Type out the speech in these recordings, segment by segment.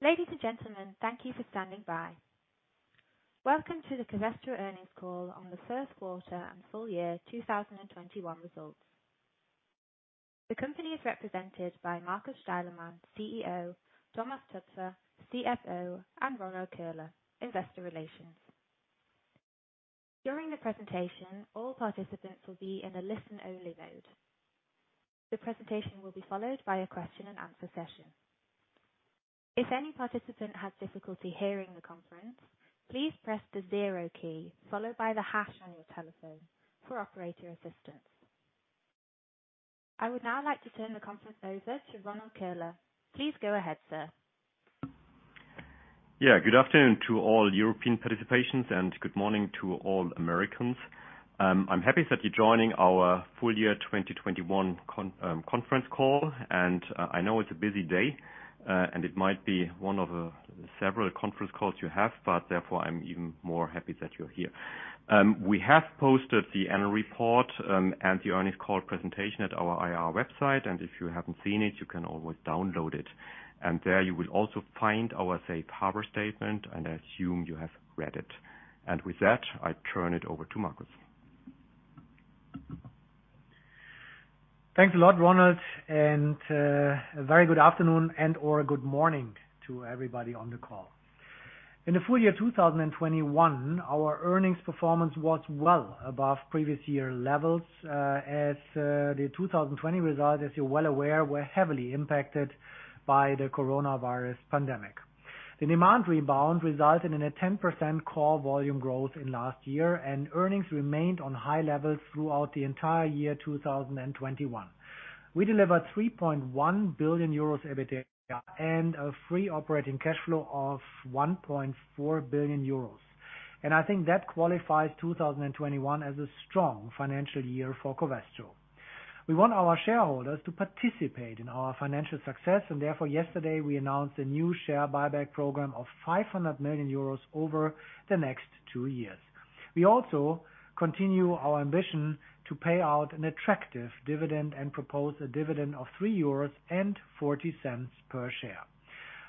Ladies and gentlemen, thank you for standing by. Welcome to the Covestro Earnings Call on the First Quarter and Full Year 2021 results. The company is represented by Markus Steilemann, CEO, Thomas Toepfer, CFO, and Ronald Köhler, Investor Relations. During the presentation, all participants will be in a listen-only mode. The presentation will be followed by a question and answer session. If any participant has difficulty hearing the conference, please press the zero key followed by the hash on your telephone for operator assistance. I would now like to turn the conference over to Ronald Köhler. Please go ahead, sir. Yeah, good afternoon to all European participants, and good morning to all Americans. I'm happy that you're joining our Full Year 2021 Conference Call. I know it's a busy day, and it might be one of several conference calls you have, but therefore I'm even more happy that you're here. We have posted the annual report and the earnings call presentation at our IR website. If you haven't seen it, you can always download it. There you will also find our safe harbor statement, and I assume you have read it. With that, I turn it over to Markus. Thanks a lot, Ronald. A very good afternoon and/or good morning to everybody on the call. In the full year 2021, our earnings performance was well above previous year levels, as the 2020 results, as you're well aware, were heavily impacted by the coronavirus pandemic. The demand rebound resulted in a 10% core volume growth in last year, and earnings remained on high levels throughout the entire year 2021. We delivered 3.1 billion euros EBITDA and a free operating cash flow of 1.4 billion euros. I think that qualifies 2021 as a strong financial year for Covestro. We want our shareholders to participate in our financial success, and therefore, yesterday we announced a new share buyback program of 500 million euros over the next two years. We also continue our ambition to pay out an attractive dividend and propose a dividend of 3.40 euros per share.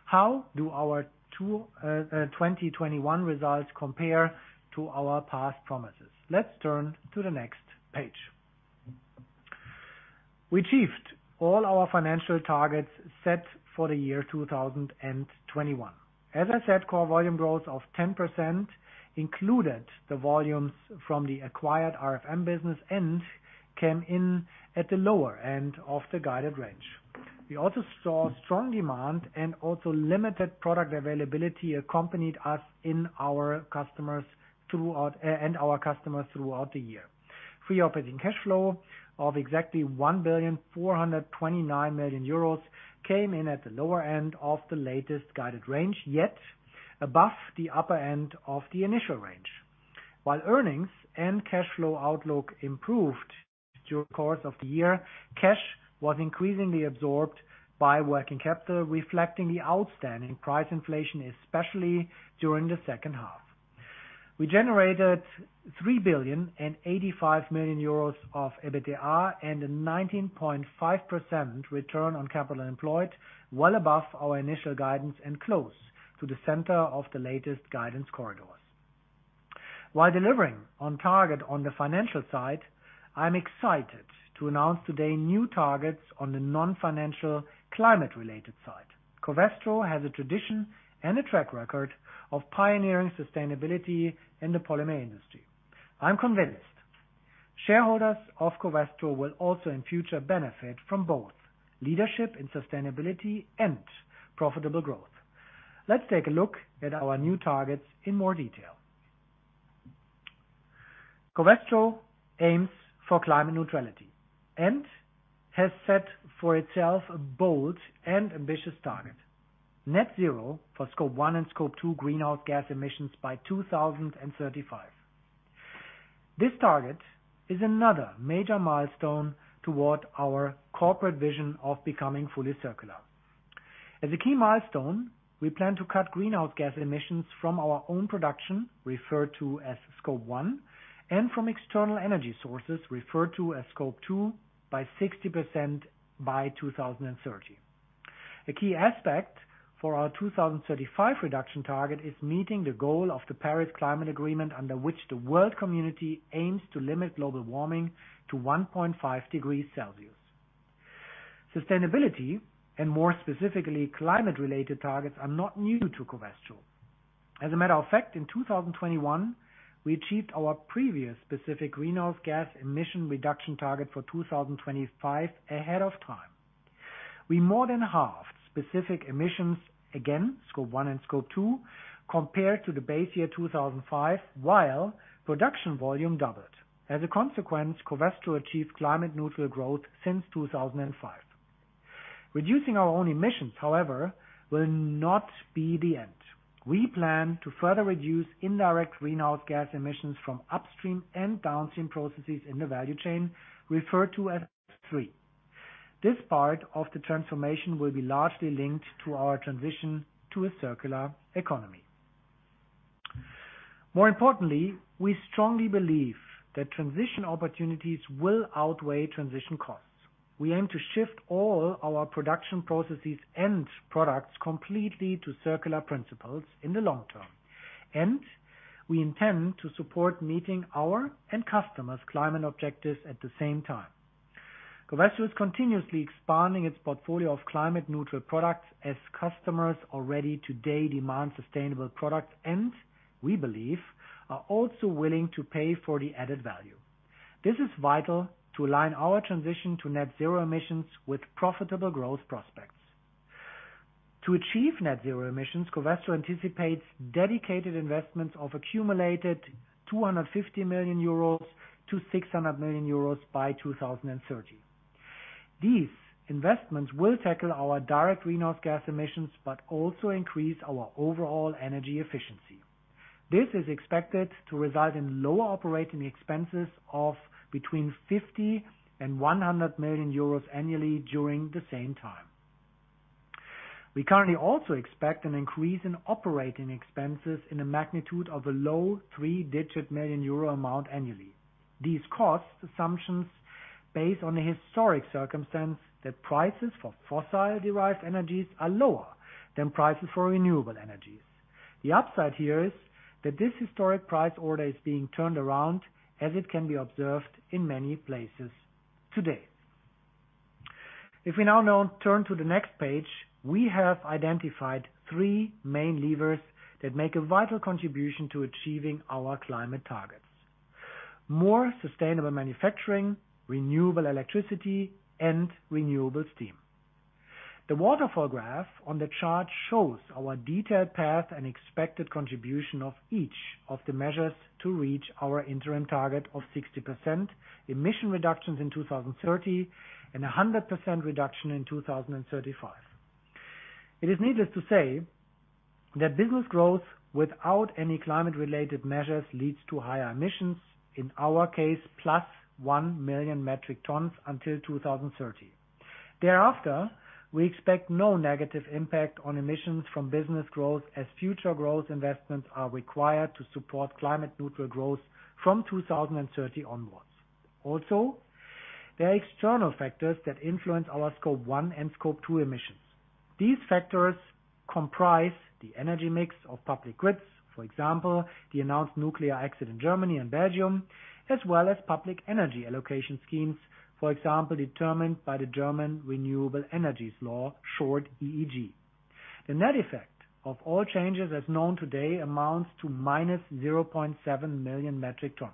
How do our 2021 results compare to our past promises? Let's turn to the next page. We achieved all our financial targets set for the year 2021. As I said, core volume growth of 10% included the volumes from the acquired RFM business and came in at the lower end of the guided range. We also saw strong demand and also limited product availability accompanied us and our customers throughout the year. Free operating cash flow of exactly 1,429 million euros came in at the lower end of the latest guided range, yet above the upper end of the initial range. While earnings and cash flow outlook improved through the course of the year, cash was increasingly absorbed by working capital, reflecting the outstanding price inflation, especially during the second half. We generated 3.085 billion of EBITDA and a 19.5% return on capital employed, well above our initial guidance and close to the center of the latest guidance corridors. While delivering on target on the financial side, I'm excited to announce today new targets on the non-financial climate-related side. Covestro has a tradition and a track record of pioneering sustainability in the polymer industry. I'm convinced shareholders of Covestro will also in future benefit from both leadership in sustainability and profitable growth. Let's take a look at our new targets in more detail. Covestro aims for climate neutrality and has set for itself a bold and ambitious target, net zero for Scope one and Scope two greenhouse gas emissions by 2035. This target is another major milestone toward our corporate vision of becoming fully circular. As a key milestone, we plan to cut greenhouse gas emissions from our own production, referred to as Scope one, and from external energy sources, referred to as Scope two, by 60% by 2030. A key aspect for our 2035 reduction target is meeting the goal of the Paris Agreement, under which the world community aims to limit global warming to 1.5 degrees Celsius. Sustainability, and more specifically, climate-related targets are not new to Covestro. As a matter of fact, in 2021, we achieved our previous specific greenhouse gas emission reduction target for 2025 ahead of time. We more than halved specific emissions, again, Scope one and Scope two, compared to the base year 2005, while production volume doubled. As a consequence, Covestro achieved climate neutral growth since 2005. Reducing our own emissions, however, will not be the end. We plan to further reduce indirect greenhouse gas emissions from upstream and downstream processes in the value chain, referred to as Scope three. This part of the transformation will be largely linked to our transition to a circular economy. More importantly, we strongly believe that transition opportunities will outweigh transition costs. We aim to shift all our production processes and products completely to circular principles in the long term, and we intend to support meeting our and customers' climate objectives at the same time. Covestro is continuously expanding its portfolio of climate neutral products as customers already today demand sustainable products, and we believe are also willing to pay for the added value. This is vital to align our transition to net zero emissions with profitable growth prospects. To achieve net zero emissions, Covestro anticipates dedicated investments of accumulated 250 million-600 million euros by 2030. These investments will tackle our direct greenhouse gas emissions, but also increase our overall energy efficiency. This is expected to result in lower operating expenses of between 50 million and 100 million euros annually during the same time. We currently also expect an increase in operating expenses in the magnitude of a low three-digit million euro amount annually. These cost assumptions are based on the historic circumstance that prices for fossil-derived energies are lower than prices for renewable energies. The upside here is that this historic price order is being turned around as it can be observed in many places today. Now, turn to the next page. We have identified three main levers that make a vital contribution to achieving our climate targets, more sustainable manufacturing, renewable electricity, and renewable steam. The waterfall graph on the chart shows our detailed path and expected contribution of each of the measures to reach our interim target of 60% emission reductions in 2030, and 100% reduction in 2035. It is needless to say that business growth without any climate related measures leads to higher emissions. In our case, +1 million metric tons until 2030. Thereafter, we expect no negative impact on emissions from business growth as future growth investments are required to support climate neutral growth from 2030 onwards. There are external factors that influence our Scope one and Scope two emissions. These factors comprise the energy mix of public grids, for example, the announced nuclear exit in Germany and Belgium, as well as public energy allocation schemes. For example, determined by the German Renewable Energy Sources Act, short EEG. The net effect of all changes as known today amounts to -0.7 million metric tons.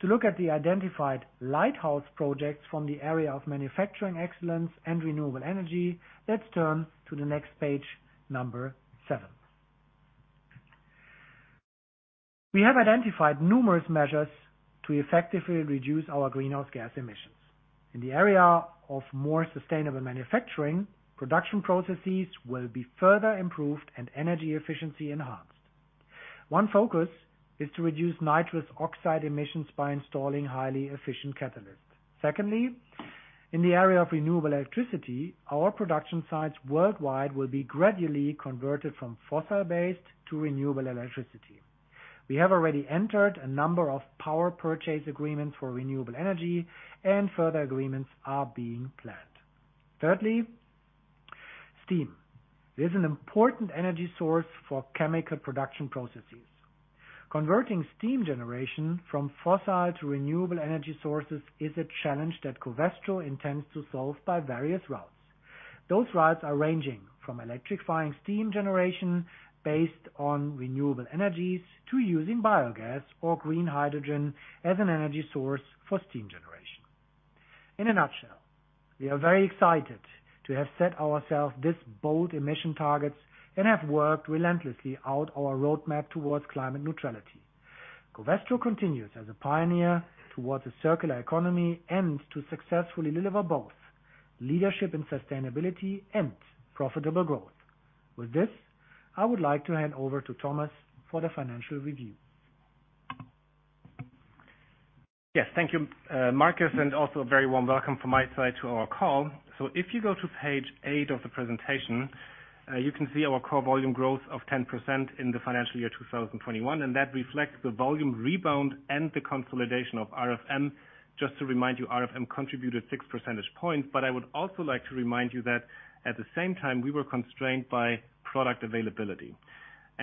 To look at the identified lighthouse projects from the area of manufacturing excellence and renewable energy, let's turn to the next page, number seven. We have identified numerous measures to effectively reduce our greenhouse gas emissions. In the area of more sustainable manufacturing, production processes will be further improved and energy efficiency enhanced. One focus is to reduce nitrous oxide emissions by installing highly efficient catalysts. Secondly, in the area of renewable electricity, our production sites worldwide will be gradually converted from fossil-based to renewable electricity. We have already entered a number of power purchase agreements for renewable energy and further agreements are being planned. Thirdly, steam is an important energy source for chemical production processes. Converting steam generation from fossil to renewable energy sources is a challenge that Covestro intends to solve by various routes. Those routes are ranging from electrifying steam generation based on renewable energies, to using biogas or green hydrogen as an energy source for steam generation. In a nutshell, we are very excited to have set ourselves these bold emissions targets and have worked relentlessly on our roadmap towards climate neutrality. Covestro continues as a pioneer towards a circular economy and to successfully deliver both leadership and sustainability and profitable growth. With this, I would like to hand over to Thomas for the financial review. Yes, thank you, Markus, and also a very warm welcome from my side to our call. If you go to page eight of the presentation, you can see our core volume growth of 10% in the financial year 2021, and that reflects the volume rebound and the consolidation of RFM. Just to remind you, RFM contributed 6 percentage points, but I would also like to remind you that at the same time, we were constrained by product availability.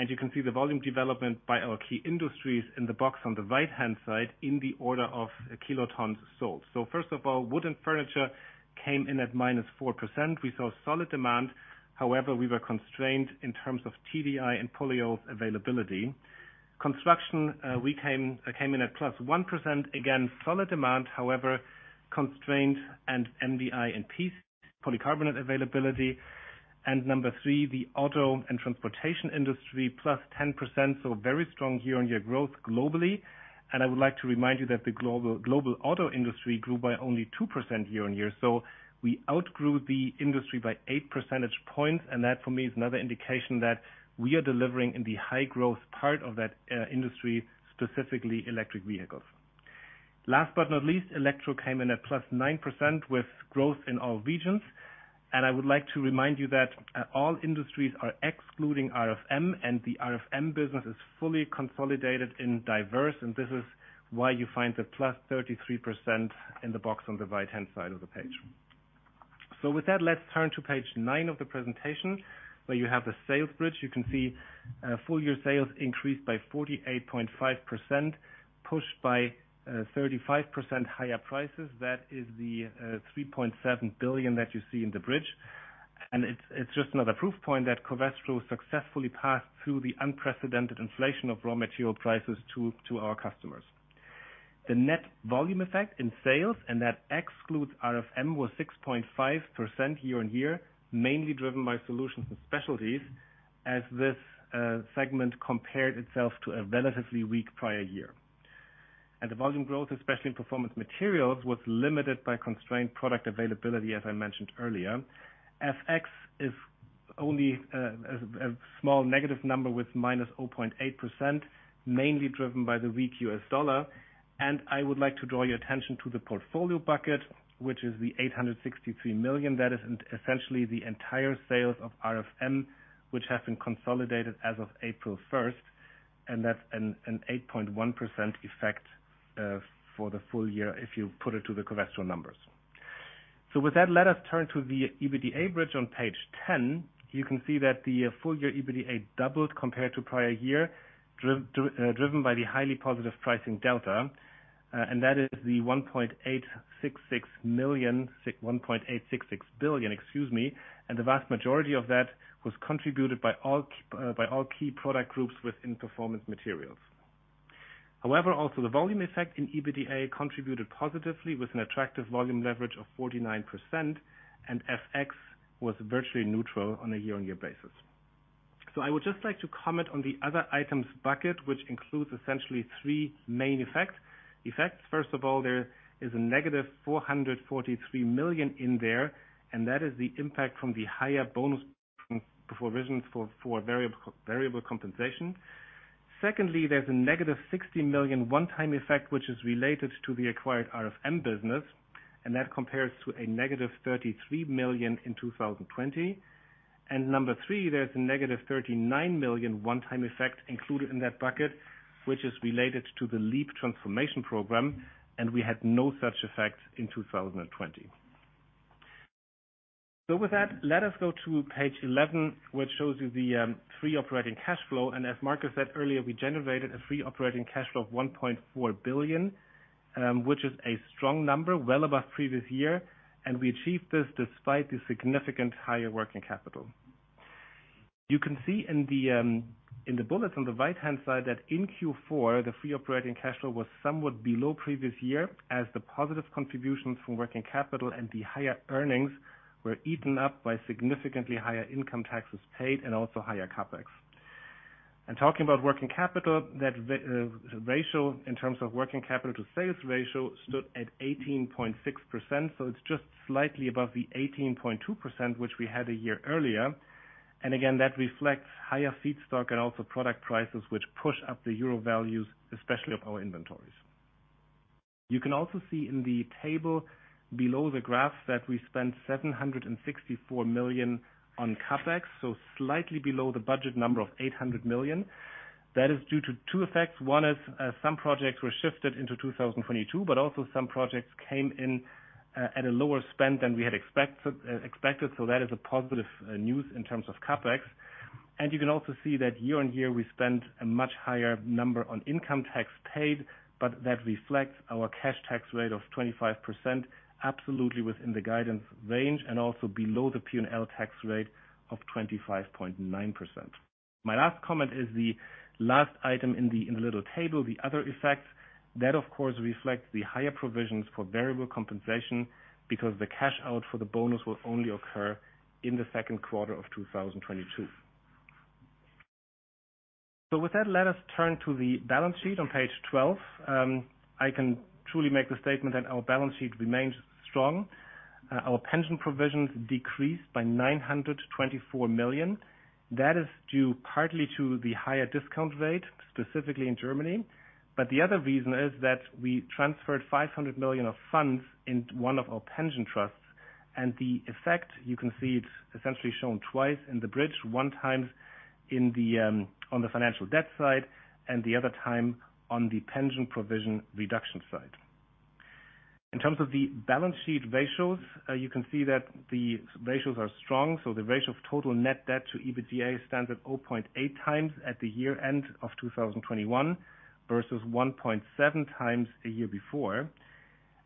You can see the volume development by our key industries in the box on the right-hand side in the order of kilotons sold. First of all, wooden furniture came in at -4%. We saw solid demand, however, we were constrained in terms of TDI and polyols availability. Construction, we came in at +1%. Solid demand, however, constrained in MDI and PC polycarbonate availability. Number three, the auto and transportation industry, +10%. Very strong year-on-year growth globally. I would like to remind you that the global auto industry grew by only 2% year-on-year. We outgrew the industry by 8 percentage points. That for me is another indication that we are delivering in the high growth part of that industry, specifically electric vehicles. Last but not least, Electronics came in at +9% with growth in all regions. I would like to remind you that all industries are excluding RFM, and the RFM business is fully consolidated in Covestro, and this is why you find the +33% in the box on the right-hand side of the page. With that, let's turn to page nine of the presentation, where you have the sales bridge. You can see full year sales increased by 48.5%, pushed by 35% higher prices. That is the 3.7 billion that you see in the bridge. It's just another proof point that Covestro successfully passed through the unprecedented inflation of raw material prices to our customers. The net volume effect in sales, and that excludes RFM, was 6.5% year-on-year, mainly driven by Solutions & Specialties, as this segment compared itself to a relatively weak prior year. The volume growth, especially in Performance Materials, was limited by constrained product availability, as I mentioned earlier. FX is only a small negative number with -0.8%, mainly driven by the weak U.S. dollar. I would like to draw your attention to the portfolio bucket, which is the 863 million. That is essentially the entire sales of RFM, which have been consolidated as of April 1, and that's an 8.1% effect for the full year if you put it to the Covestro numbers. With that, let us turn to the EBITDA bridge on page 10. You can see that the full year EBITDA doubled compared to prior year, driven by the highly positive pricing delta, and that is the 1.866 billion, excuse me, and the vast majority of that was contributed by all key product groups within Performance Materials. However, also the volume effect in EBITDA contributed positively with an attractive volume leverage of 49%, and FX was virtually neutral on a year-on-year basis. I would just like to comment on the other items bucket, which includes essentially three main effects. First of all, there is a negative 443 million in there, and that is the impact from the higher bonus provisions for variable compensation. Secondly, there's a negative 60 million one-time effect, which is related to the acquired RFM business, and that compares to a negative 33 million in 2020. Number three, there's a negative 39 million one-time effect included in that bucket, which is related to the LEAP transformation program, and we had no such effect in 2020. With that, let us go to page 11, which shows you the free operating cash flow. As Markus said earlier, we generated a free operating cash flow of 1.4 billion, which is a strong number, well above previous year, and we achieved this despite the significant higher working capital. You can see in the bullets on the right-hand side that in Q4, the free operating cash flow was somewhat below previous year as the positive contributions from working capital and the higher earnings were eaten up by significantly higher income taxes paid and also higher CapEx. Talking about working capital, that ratio in terms of working capital to sales ratio stood at 18.6%, so it's just slightly above the 18.2%, which we had a year earlier. Again, that reflects higher feedstock and also product prices which push up the euro values, especially of our inventories. You can also see in the table below the graph that we spent 764 million on CapEx, so slightly below the budget number of 800 million. That is due to two effects. One is, some projects were shifted into 2022, but also some projects came in at a lower spend than we had expected, so that is a positive news in terms of CapEx. You can also see that year-over-year, we spent a much higher number on income tax paid, but that reflects our cash tax rate of 25%, absolutely within the guidance range and also below the P&L tax rate of 25.9%. My last comment is the last item in the little table, the other effects. That, of course, reflects the higher provisions for variable compensation, because the cash out for the bonus will only occur in the second quarter of 2022. With that, let us turn to the balance sheet on page 12. I can truly make the statement that our balance sheet remains strong. Our pension provisions decreased by 924 million. That is due partly to the higher discount rate, specifically in Germany. The other reason is that we transferred 500 million of funds in one of our pension trusts. The effect, you can see it essentially shown twice in the bridge, one time in the on the financial debt side, and the other time on the pension provision reduction side. In terms of the balance sheet ratios, you can see that the ratios are strong. The ratio of total net debt to EBITDA stands at 0.8 times at the year-end of 2021 versus 1.7 times a year before.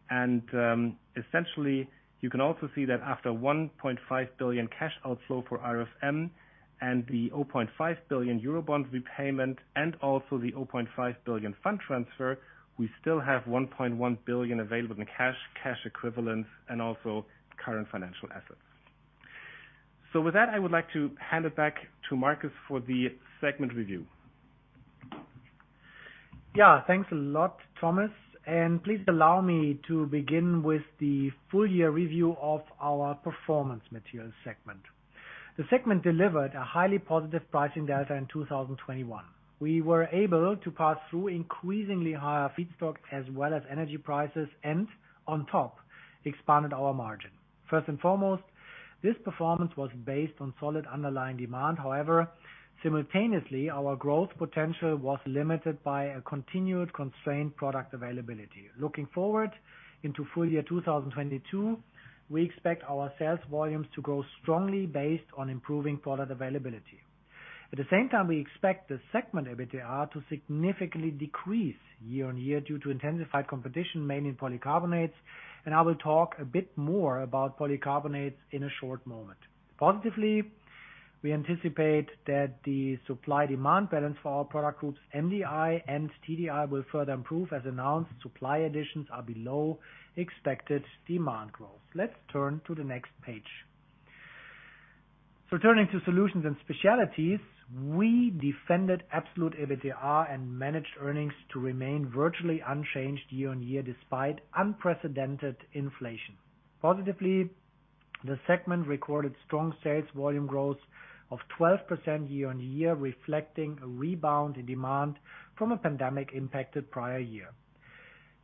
Essentially, you can also see that after 1.5 billion cash outflow for RFM and the 0.5 billion Eurobond repayment and also the 0.5 billion fund transfer, we still have 1.1 billion available in cash equivalents, and also current financial assets. With that, I would like to hand it back to Marcus for the segment review. Yeah. Thanks a lot, Thomas, and please allow me to begin with the full year review of our Performance Materials segment. The segment delivered a highly positive pricing data in 2021. We were able to pass through increasingly higher feedstock as well as energy prices, and on top expanded our margin. First and foremost, this performance was based on solid underlying demand. However, simultaneously, our growth potential was limited by a continued constrained product availability. Looking forward into full year 2022, we expect our sales volumes to grow strongly based on improving product availability. At the same time, we expect the segment EBITDA to significantly decrease year-on-year due to intensified competition, mainly in polycarbonates, and I will talk a bit more about polycarbonates in a short moment. Positively, we anticipate that the supply-demand balance for our product groups MDI and TDI will further improve. As announced, supply additions are below expected demand growth. Let's turn to the next page. Turning to Solutions & Specialties, we defended absolute EBITDA and managed earnings to remain virtually unchanged year-on-year, despite unprecedented inflation. Positively, the segment recorded strong sales volume growth of 12% year-on-year, reflecting a rebound in demand from a pandemic-impacted prior year.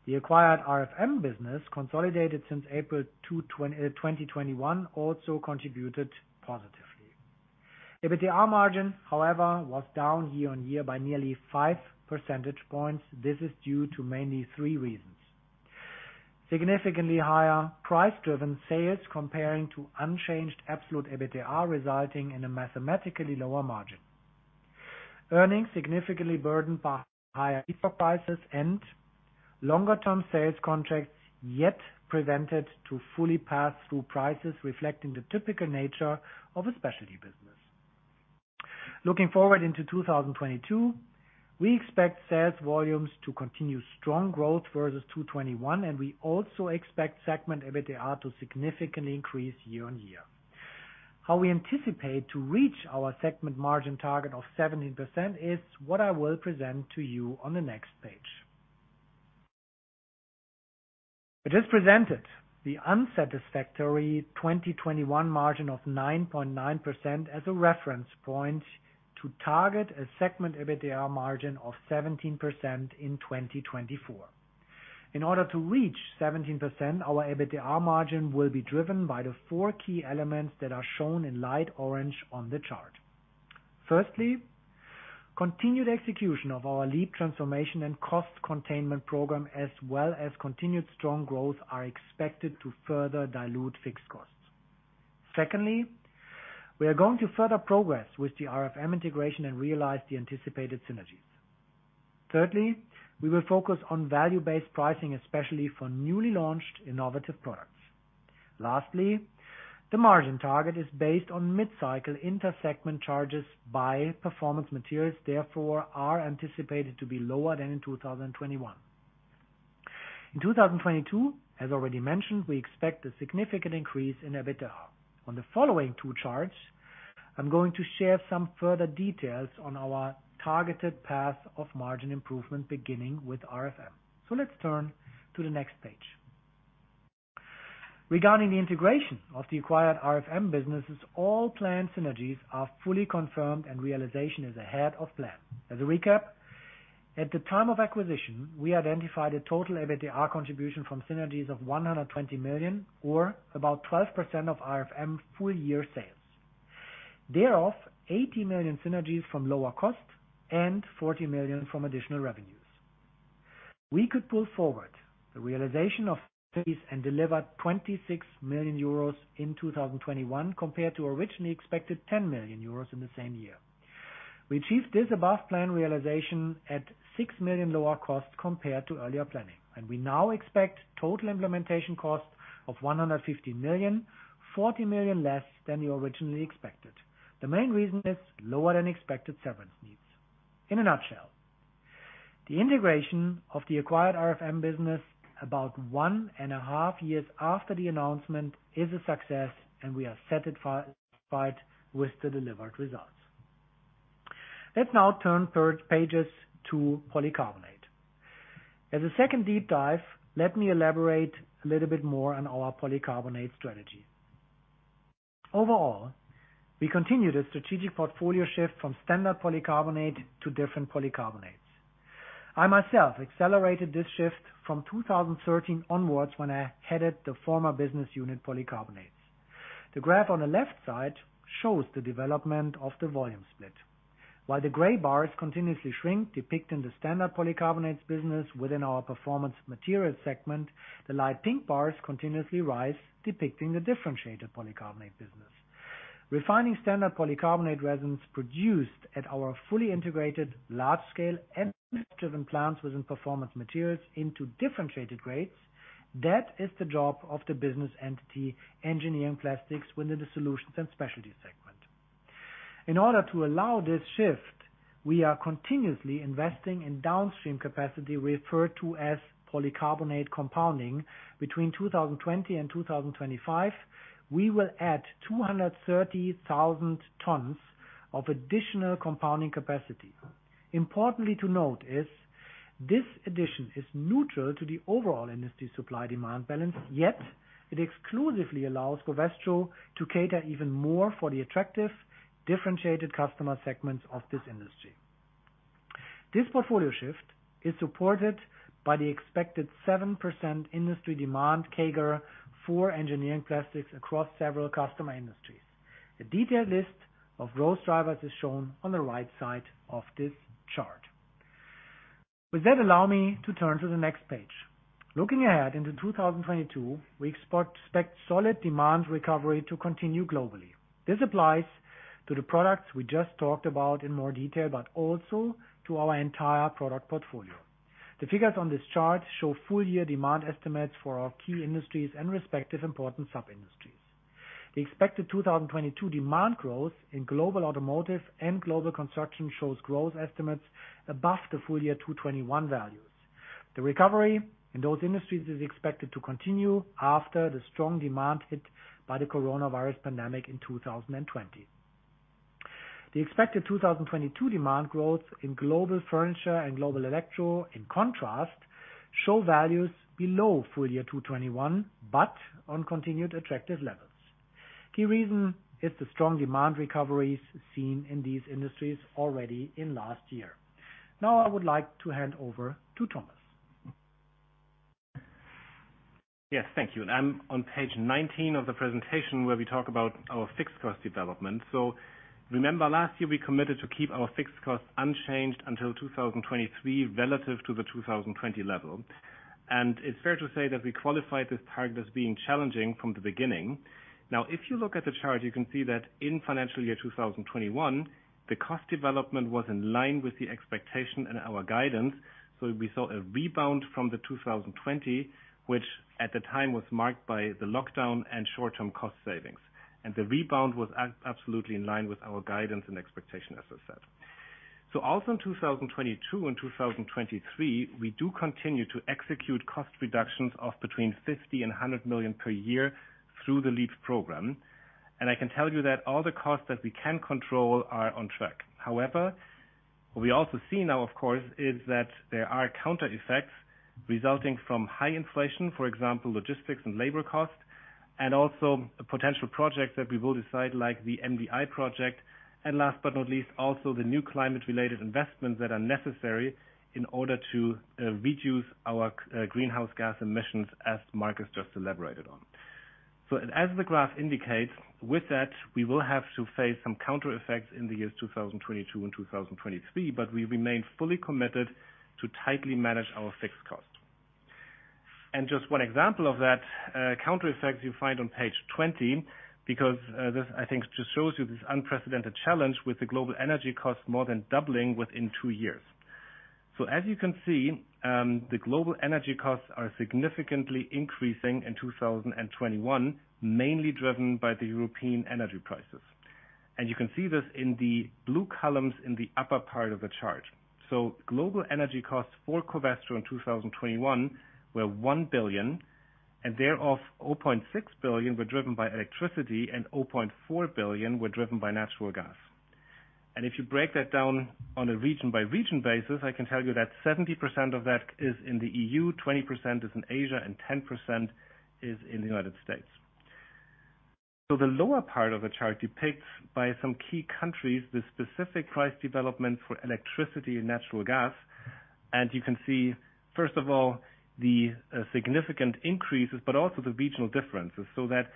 The acquired RFM business consolidated since April 2021 also contributed positively. EBITDA margin, however, was down year-on-year by nearly 5 percentage points. This is due to mainly three reasons. Significantly higher price-driven sales compared to unchanged absolute EBITDA, resulting in a mathematically lower margin. Earnings significantly burdened by higher input prices and longer-term sales contracts, yet prevented to fully pass through prices reflecting the typical nature of a specialty business. Looking forward into 2022, we expect sales volumes to continue strong growth versus 2021, and we also expect segment EBITDA to significantly increase year-on-year. How we anticipate to reach our segment margin target of 17% is what I will present to you on the next page. I just presented the unsatisfactory 2021 margin of 9.9% as a reference point to target a segment EBITDA margin of 17% in 2024. In order to reach 17%, our EBITDA margin will be driven by the four key elements that are shown in light orange on the chart. Firstly, continued execution of our LEAP transformation and cost containment program, as well as continued strong growth are expected to further dilute fixed costs. Secondly, we are going to further progress with the RFM integration and realize the anticipated synergies. Thirdly, we will focus on value-based pricing, especially for newly launched innovative products. Lastly, the margin target is based on mid-cycle inter-segment charges by Performance Materials, therefore, are anticipated to be lower than in 2021. In 2022, as already mentioned, we expect a significant increase in EBITDA. On the following two charts, I'm going to share some further details on our targeted path of margin improvement, beginning with RFM. So let's turn to the next page. Regarding the integration of the acquired RFM businesses, all planned synergies are fully confirmed and realization is ahead of plan. As a recap, at the time of acquisition, we identified a total EBITDA contribution from synergies of 120 million or about 12% of RFM full year sales. Thereof, 80 million synergies from lower costs and 40 million from additional revenues. We could pull forward the realization of synergies and delivered 26 million euros in 2021 compared to originally expected 10 million euros in the same year. We achieved this above-plan realization at 6 million lower costs compared to earlier planning, and we now expect total implementation costs of 150 million, 40 million less than we originally expected. The main reason is lower than expected severance needs. In a nutshell, the integration of the acquired RFM business about 1.5 years after the announcement is a success, and we are satisfied with the delivered results. Let's now turn to the third page to polycarbonate. As a second deep dive, let me elaborate a little bit more on our polycarbonate strategy. Overall, we continue the strategic portfolio shift from standard polycarbonate to different polycarbonates. I myself accelerated this shift from 2013 onwards when I headed the former business unit, Polycarbonates. The graph on the left side shows the development of the volume split. While the gray bars continuously shrink, depicting the standard polycarbonates business within our Performance Materials segment, the light pink bars continuously rise, depicting the differentiated polycarbonate business. Refining standard polycarbonate resins produced at our fully integrated large-scale and energy-driven plants within Performance Materials into differentiated grades, that is the job of the business entity Engineering Plastics within the Solutions & Specialties segment. In order to allow this shift, we are continuously investing in downstream capacity referred to as polycarbonate compounding. Between 2020 and 2025, we will add 230,000 tons of additional compounding capacity. Importantly to note is this addition is neutral to the overall industry supply demand balance, yet it exclusively allows Covestro to cater even more for the attractive, differentiated customer segments of this industry. This portfolio shift is supported by the expected 7% industry demand CAGR for engineering plastics across several customer industries. A detailed list of growth drivers is shown on the right side of this chart. With that, allow me to turn to the next page. Looking ahead into 2022, we expect solid demand recovery to continue globally. This applies to the products we just talked about in more detail, but also to our entire product portfolio. The figures on this chart show full year demand estimates for our key industries and respective important sub-industries. The expected 2022 demand growth in global automotive and global construction shows growth estimates above the full year 2021 values. The recovery in those industries is expected to continue after the strong demand hit by the coronavirus pandemic in 2020. The expected 2022 demand growth in global furniture and global electro, in contrast, show values below full year 2021, but on continued attractive levels. Key reason is the strong demand recoveries seen in these industries already in last year. Now, I would like to hand over to Thomas. Yes, thank you. I'm on page 19 of the presentation where we talk about our fixed cost development. Remember last year we committed to keep our fixed costs unchanged until 2023 relative to the 2020 level. It's fair to say that we qualified this target as being challenging from the beginning. Now, if you look at the chart, you can see that in financial year 2021, the cost development was in line with the expectation and our guidance. We saw a rebound from the 2020, which at the time was marked by the lockdown and short-term cost savings. The rebound was absolutely in line with our guidance and expectation, as I said. Also in 2022 and 2023, we do continue to execute cost reductions of between 50 million and 100 million per year through the LEAP program. I can tell you that all the costs that we can control are on track. However, what we also see now, of course, is that there are counter effects resulting from high inflation, for example, logistics and labor costs, and also potential projects that we will decide, like the MDI project. Last but not least, also the new climate-related investments that are necessary in order to reduce our greenhouse gas emissions, as Markus just elaborated on. As the graph indicates, with that, we will have to face some counter effects in the years 2022 and 2023, but we remain fully committed to tightly manage our fixed cost. Just one example of that, counter effect you find on page 20, because, this I think just shows you this unprecedented challenge with the global energy costs more than doubling within two years. As you can see, the global energy costs are significantly increasing in 2021, mainly driven by the European energy prices. You can see this in the blue columns in the upper part of the chart. Global energy costs for Covestro in 2021 were 1 billion, and thereof, 0.6 billion were driven by electricity and 0.4 billion were driven by natural gas. If you break that down on a region by region basis, I can tell you that 70% of that is in the EU, 20% is in Asia, and 10% is in the United States. The lower part of the chart depicts by some key countries the specific price development for electricity and natural gas. You can see, first of all, the significant increases, but also the regional differences. That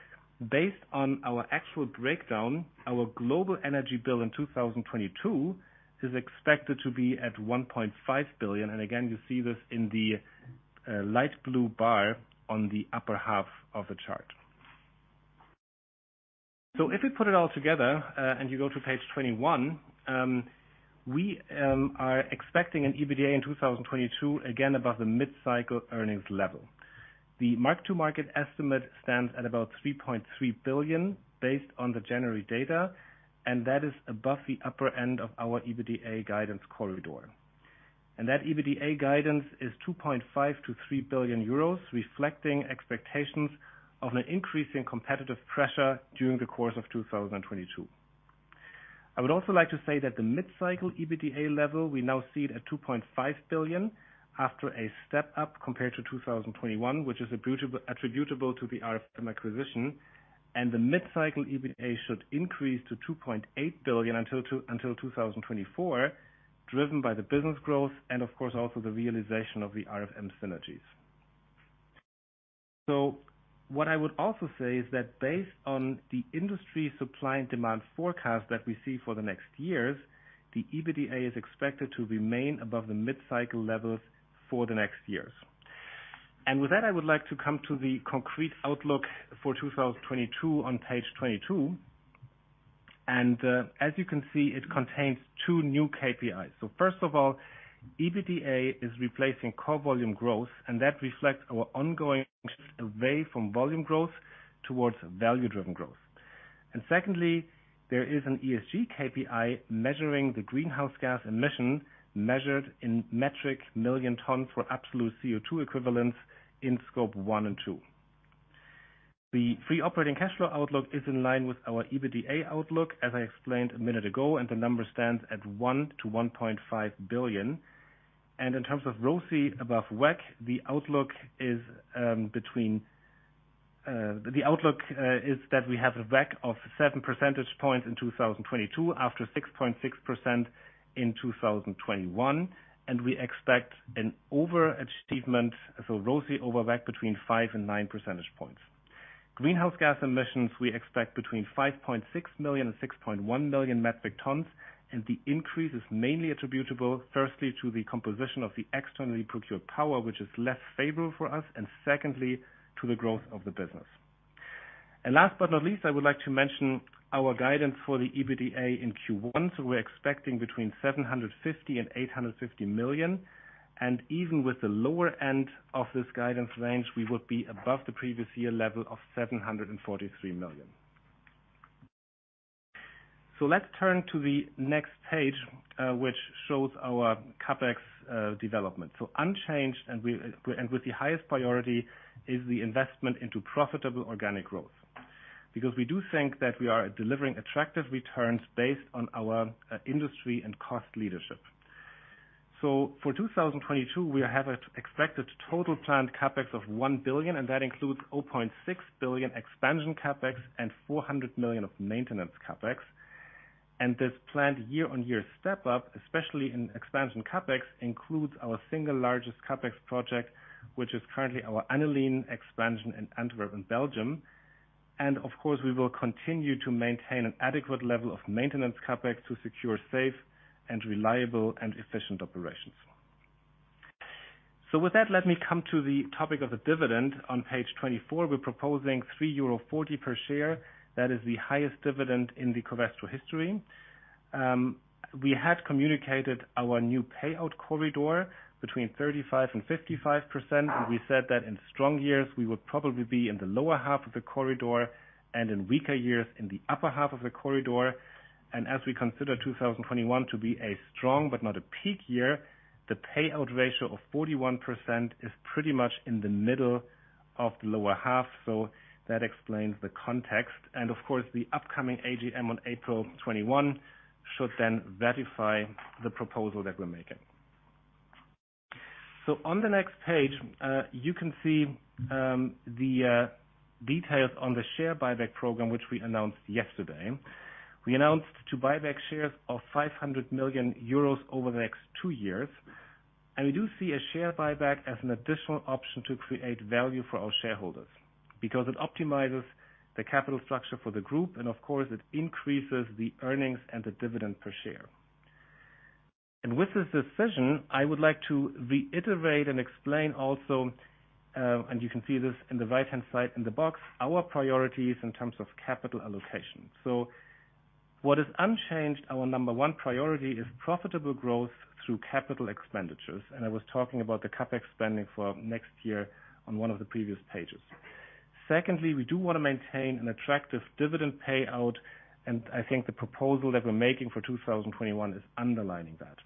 based on our actual breakdown, our global energy bill in 2022 is expected to be at 1.5 billion. Again, you see this in the light blue bar on the upper half of the chart. If we put it all together and you go to page 21, we are expecting an EBITDA in 2022, again, above the mid-cycle earnings level. The mark-to-market estimate stands at about 3.3 billion based on the January data, and that is above the upper end of our EBITDA guidance corridor. That EBITDA guidance is 2.5 billion-3 billion euros, reflecting expectations of an increase in competitive pressure during the course of 2022. I would also like to say that the mid-cycle EBITDA level, we now see it at 2.5 billion after a step up compared to 2021, which is attributable to the RFM acquisition. The mid-cycle EBITDA should increase to 2.8 billion until 2024, driven by the business growth and of course also the realization of the RFM synergies. What I would also say is that based on the industry supply and demand forecast that we see for the next years, the EBITDA is expected to remain above the mid-cycle levels for the next years. With that, I would like to come to the concrete outlook for 2022 on page 22. As you can see, it contains two new KPIs. First of all, EBITDA is replacing core volume growth, and that reflects our ongoing shift away from volume growth towards value-driven growth. Secondly, there is an ESG KPI measuring the greenhouse gas emission measured in million metric tons for absolute CO2 equivalents in Scope one and two. The free operating cash flow outlook is in line with our EBITDA outlook, as I explained a minute ago, and the number stands at 1 billion-1.5 billion. In terms of ROCE above WACC, the outlook is that we have a WACC of 7 percentage points in 2022 after 6.6% in 2021. We expect an overachievement, so ROCE over WACC between 5 and 9 percentage points. Greenhouse gas emissions, we expect between 5.6 million and 6.1 million metric tons, and the increase is mainly attributable, firstly, to the composition of the externally procured power, which is less favorable for us, and secondly, to the growth of the business. Last but not least, I would like to mention our guidance for the EBITDA in Q1. We're expecting between 750 million and 850 million. Even with the lower end of this guidance range, we would be above the previous year level of 743 million. Let's turn to the next page, which shows our CapEx development. Unchanged and with the highest priority is the investment into profitable organic growth. Because we do think that we are delivering attractive returns based on our industry and cost leadership. For 2022, we have expected total planned CapEx of 1 billion, and that includes 0.6 billion expansion CapEx and 400 million of maintenance CapEx. This planned year-on-year step up, especially in expansion CapEx, includes our single largest CapEx project, which is currently our aniline expansion in Antwerp, Belgium. Of course, we will continue to maintain an adequate level of maintenance CapEx to secure safe and reliable and efficient operations. With that, let me come to the topic of the dividend on page 24. We're proposing 3.40 euro per share. That is the highest dividend in the Covestro history. We had communicated our new payout corridor between 35% and 55%, and we said that in strong years we would probably be in the lower half of the corridor and in weaker years in the upper half of the corridor. As we consider 2021 to be a strong but not a peak year, the payout ratio of 41% is pretty much in the middle of the lower half. That explains the context. Of course, the upcoming AGM on April 21 should then verify the proposal that we're making. On the next page, you can see the details on the share buyback program, which we announced yesterday. We announced to buy back shares of 500 million euros over the next two years. We do see a share buyback as an additional option to create value for our shareholders because it optimizes the capital structure for the group, and of course, it increases the earnings and the dividend per share. With this decision, I would like to reiterate and explain also, and you can see this in the right-hand side in the box, our priorities in terms of capital allocation. What is unchanged, our number one priority is profitable growth through capital expenditures. I was talking about the CapEx spending for next year on one of the previous pages. Secondly, we do wanna maintain an attractive dividend payout, and I think the proposal that we're making for 2021 is underlining that.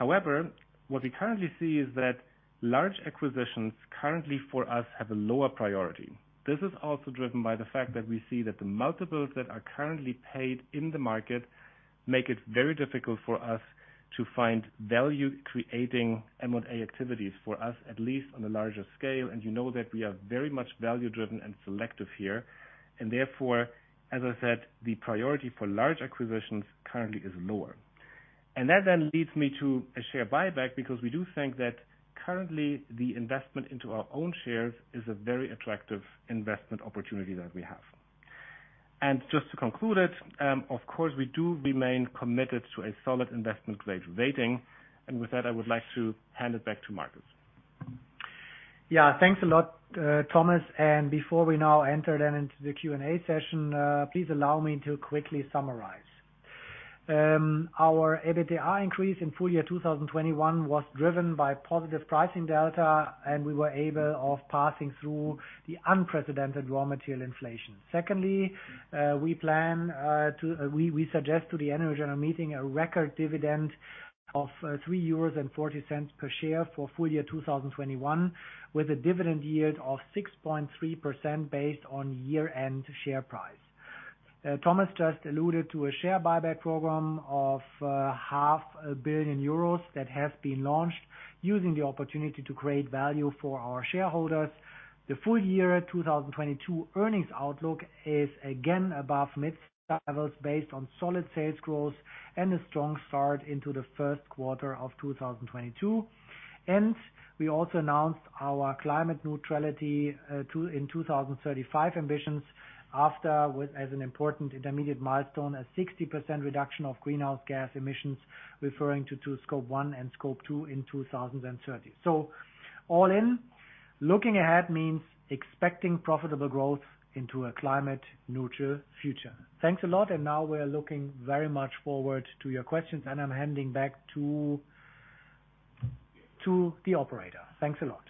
However, what we currently see is that large acquisitions currently for us have a lower priority. This is also driven by the fact that we see that the multiples that are currently paid in the market make it very difficult for us to find value creating M&A activities for us, at least on a larger scale. You know that we are very much value-driven and selective here, and therefore, as I said, the priority for large acquisitions currently is lower. That then leads me to a share buyback because we do think that currently the investment into our own shares is a very attractive investment opportunity that we have. Just to conclude it, of course, we do remain committed to a solid investment grade rating. With that, I would like to hand it back to Markus. Yeah. Thanks a lot, Thomas. Before we now enter then into the Q&A session, please allow me to quickly summarize. Our EBITDA increase in full year 2021 was driven by positive pricing delta, and we were able to passing through the unprecedented raw material inflation. Secondly, we suggest to the annual general meeting a record dividend of 3.40 euros per share for full year 2021, with a dividend yield of 6.3% based on year-end share price. Thomas just alluded to a share buyback program of 500 million euros that has been launched using the opportunity to create value for our shareholders. The full year 2022 earnings outlook is again above mid levels based on solid sales growth and a strong start into the first quarter of 2022. We also announced our climate neutrality in 2035 ambitions, after which as an important intermediate milestone, a 60% reduction of greenhouse gas emissions, referring to Scope 1 and Scope 2 in 2030. All in, looking ahead means expecting profitable growth into a climate neutral future. Thanks a lot, and now we're looking very much forward to your questions and I'm handing back to the operator. Thanks a lot.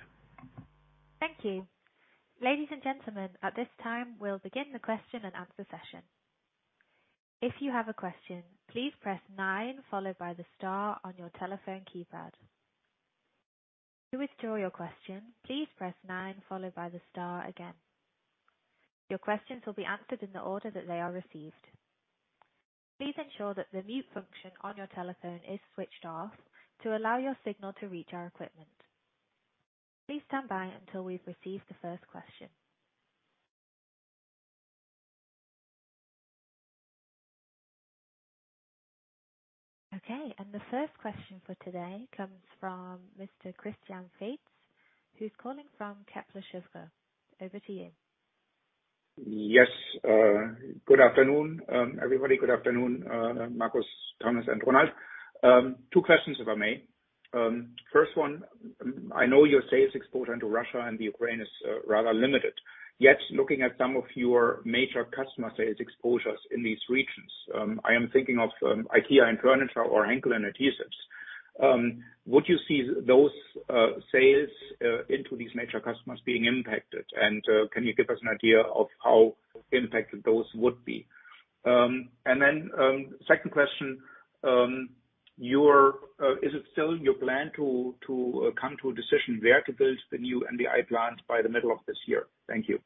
Thank you. Ladies and gentlemen, at this time we'll begin the question and answer session. If you have a question, please press nine followed by the star on your telephone keypad. Okay. The first question for today comes from Mr. Christian Faitz, who's calling from Kepler Cheuvreux. Over to you. Yes. Good afternoon, everybody. Good afternoon, Markus, Thomas, and Ronald. Two questions, if I may. First one, I know your sales export into Russia and the Ukraine is rather limited. Yet looking at some of your major customer sales exposures in these regions, I am thinking of IKEA in furniture or Henkel in adhesives. Would you see those sales into these major customers being impacted? Can you give us an idea of how impacted those would be? Second question, is it still your plan to come to a decision where to build the new MDI plant by the middle of this year? Thank you.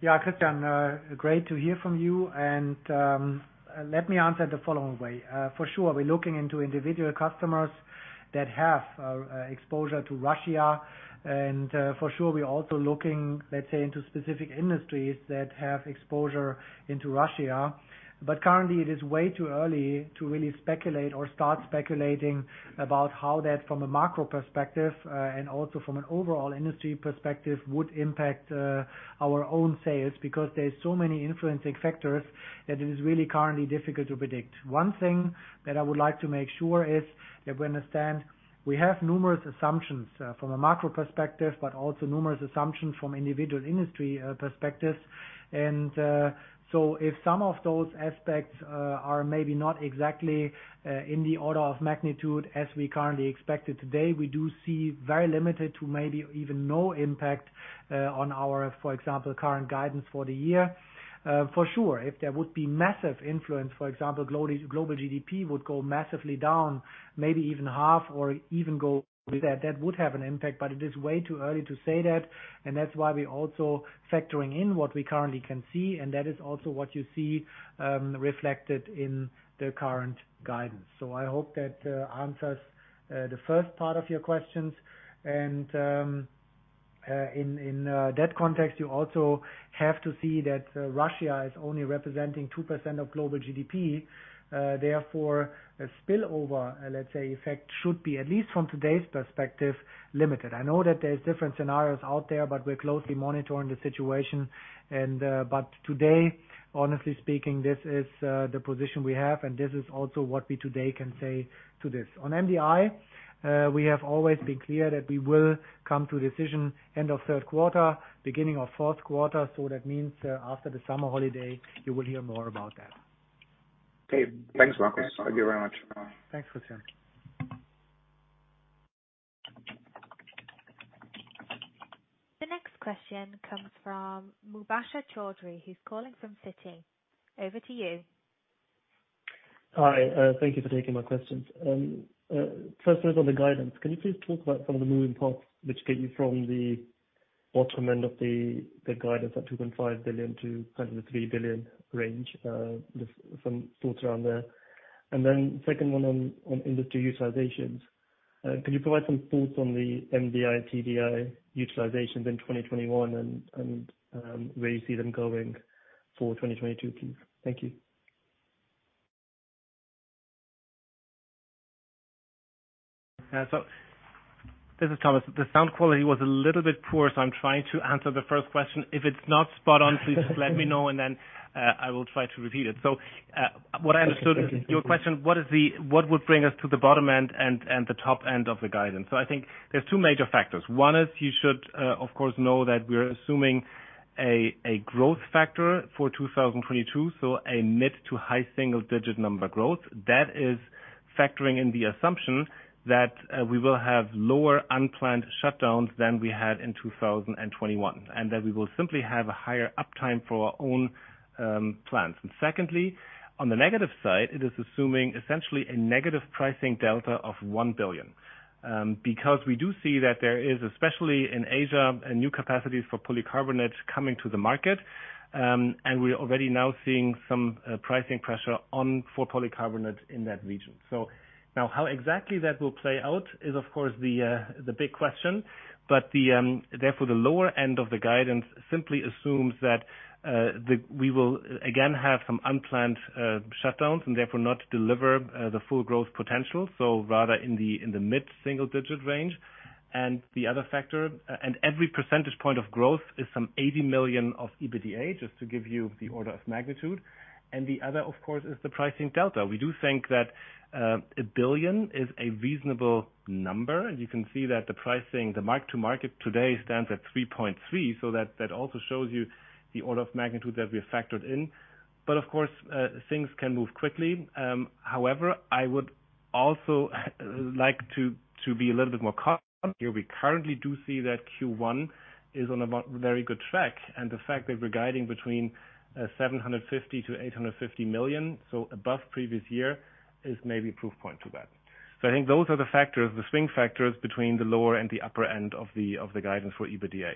Yeah. Christian, great to hear from you. Let me answer the following way. For sure we're looking into individual customers that have exposure to Russia. For sure we are also looking, let's say into specific industries that have exposure to Russia. Currently it is way too early to really speculate or start speculating about how that from a macro perspective and also from an overall industry perspective would impact our own sales. Because there are so many influencing factors that it is really currently difficult to predict. One thing that I would like to make sure is that we understand we have numerous assumptions from a macro perspective, but also numerous assumptions from individual industry perspectives. If some of those aspects are maybe not exactly in the order of magnitude as we currently expected today, we do see very limited to maybe even no impact on our, for example, current guidance for the year. For sure, if there would be massive influence, for example, global GDP would go massively down, maybe even half or even go with that would have an impact. But it is way too early to say that, and that's why we're also factoring in what we currently can see, and that is also what you see reflected in the current guidance. I hope that answers the first part of your questions. In that context, you also have to see that Russia is only representing 2% of global GDP, therefore a spillover, let's say, effect should be, at least from today's perspective, limited. I know that there's different scenarios out there, but we're closely monitoring the situation. Today, honestly speaking, this is the position we have, and this is also what we today can say to this. On MDI, we have always been clear that we will come to a decision end of third quarter, beginning of fourth quarter. That means, after the summer holiday, you will hear more about that. Okay. Thanks, Markus. Thank you very much. Thanks, Christian. The next question comes from Mubasher Chaudhry, who's calling from Citi. Over to you. Hi. Thank you for taking my questions. First one is on the guidance. Can you please talk about some of the moving parts which get you from the bottom end of the guidance at 2.5 billion to kind of the 3 billion range? Just some thoughts around there. Then second one on industry utilizations. Can you provide some thoughts on the MDI, TDI utilizations in 2021 and where you see them going for 2022, please? Thank you. Yeah. This is Thomas. The sound quality was a little bit poor, so I'm trying to answer the first question. If it's not spot on, please just let me know, and then I will try to repeat it. What I understood- Thank you. What would bring us to the bottom end and the top end of the guidance? I think there's two major factors. One is you should, of course, know that we're assuming a growth factor for 2022, so a mid- to high-single-digit number growth. That is factoring in the assumption that we will have lower unplanned shutdowns than we had in 2021, and that we will simply have a higher uptime for our own plants. Secondly, on the negative side, it is assuming essentially a negative pricing delta of 1 billion. Because we do see that there is, especially in Asia, new capacities for polycarbonate coming to the market, and we're already now seeing some pricing pressure for polycarbonate in that region. Now how exactly that will play out is of course the big question. Therefore the lower end of the guidance simply assumes that we will again have some unplanned shutdowns and therefore not deliver the full growth potential, so rather in the mid-single-digit% range. The other factor. Every percentage point of growth is some 80 million of EBITDA, just to give you the order of magnitude. The other, of course, is the pricing delta. We do think that 1 billion is a reasonable number. You can see that the pricing, the mark to market today stands at 3.3 billion, so that also shows you the order of magnitude that we have factored in. Of course, things can move quickly. However, I would also like to be a little bit more cautious here. We currently do see that Q1 is on a very good track, and the fact that we're guiding between 750 million-850 million, so above previous year, is maybe a proof point to that. I think those are the factors, the swing factors between the lower and the upper end of the guidance for EBITDA.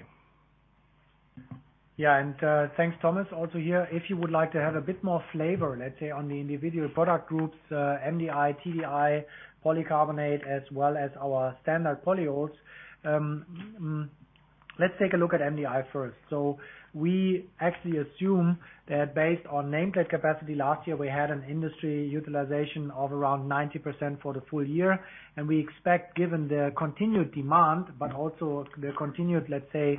Thanks, Thomas. Also here, if you would like to have a bit more flavor, let's say, on the individual product groups, MDI, TDI, polycarbonate, as well as our standard polyols, let's take a look at MDI first. We actually assume that based on nameplate capacity last year, we had an industry utilization of around 90% for the full year. We expect, given the continued demand, but also the continued, let's say,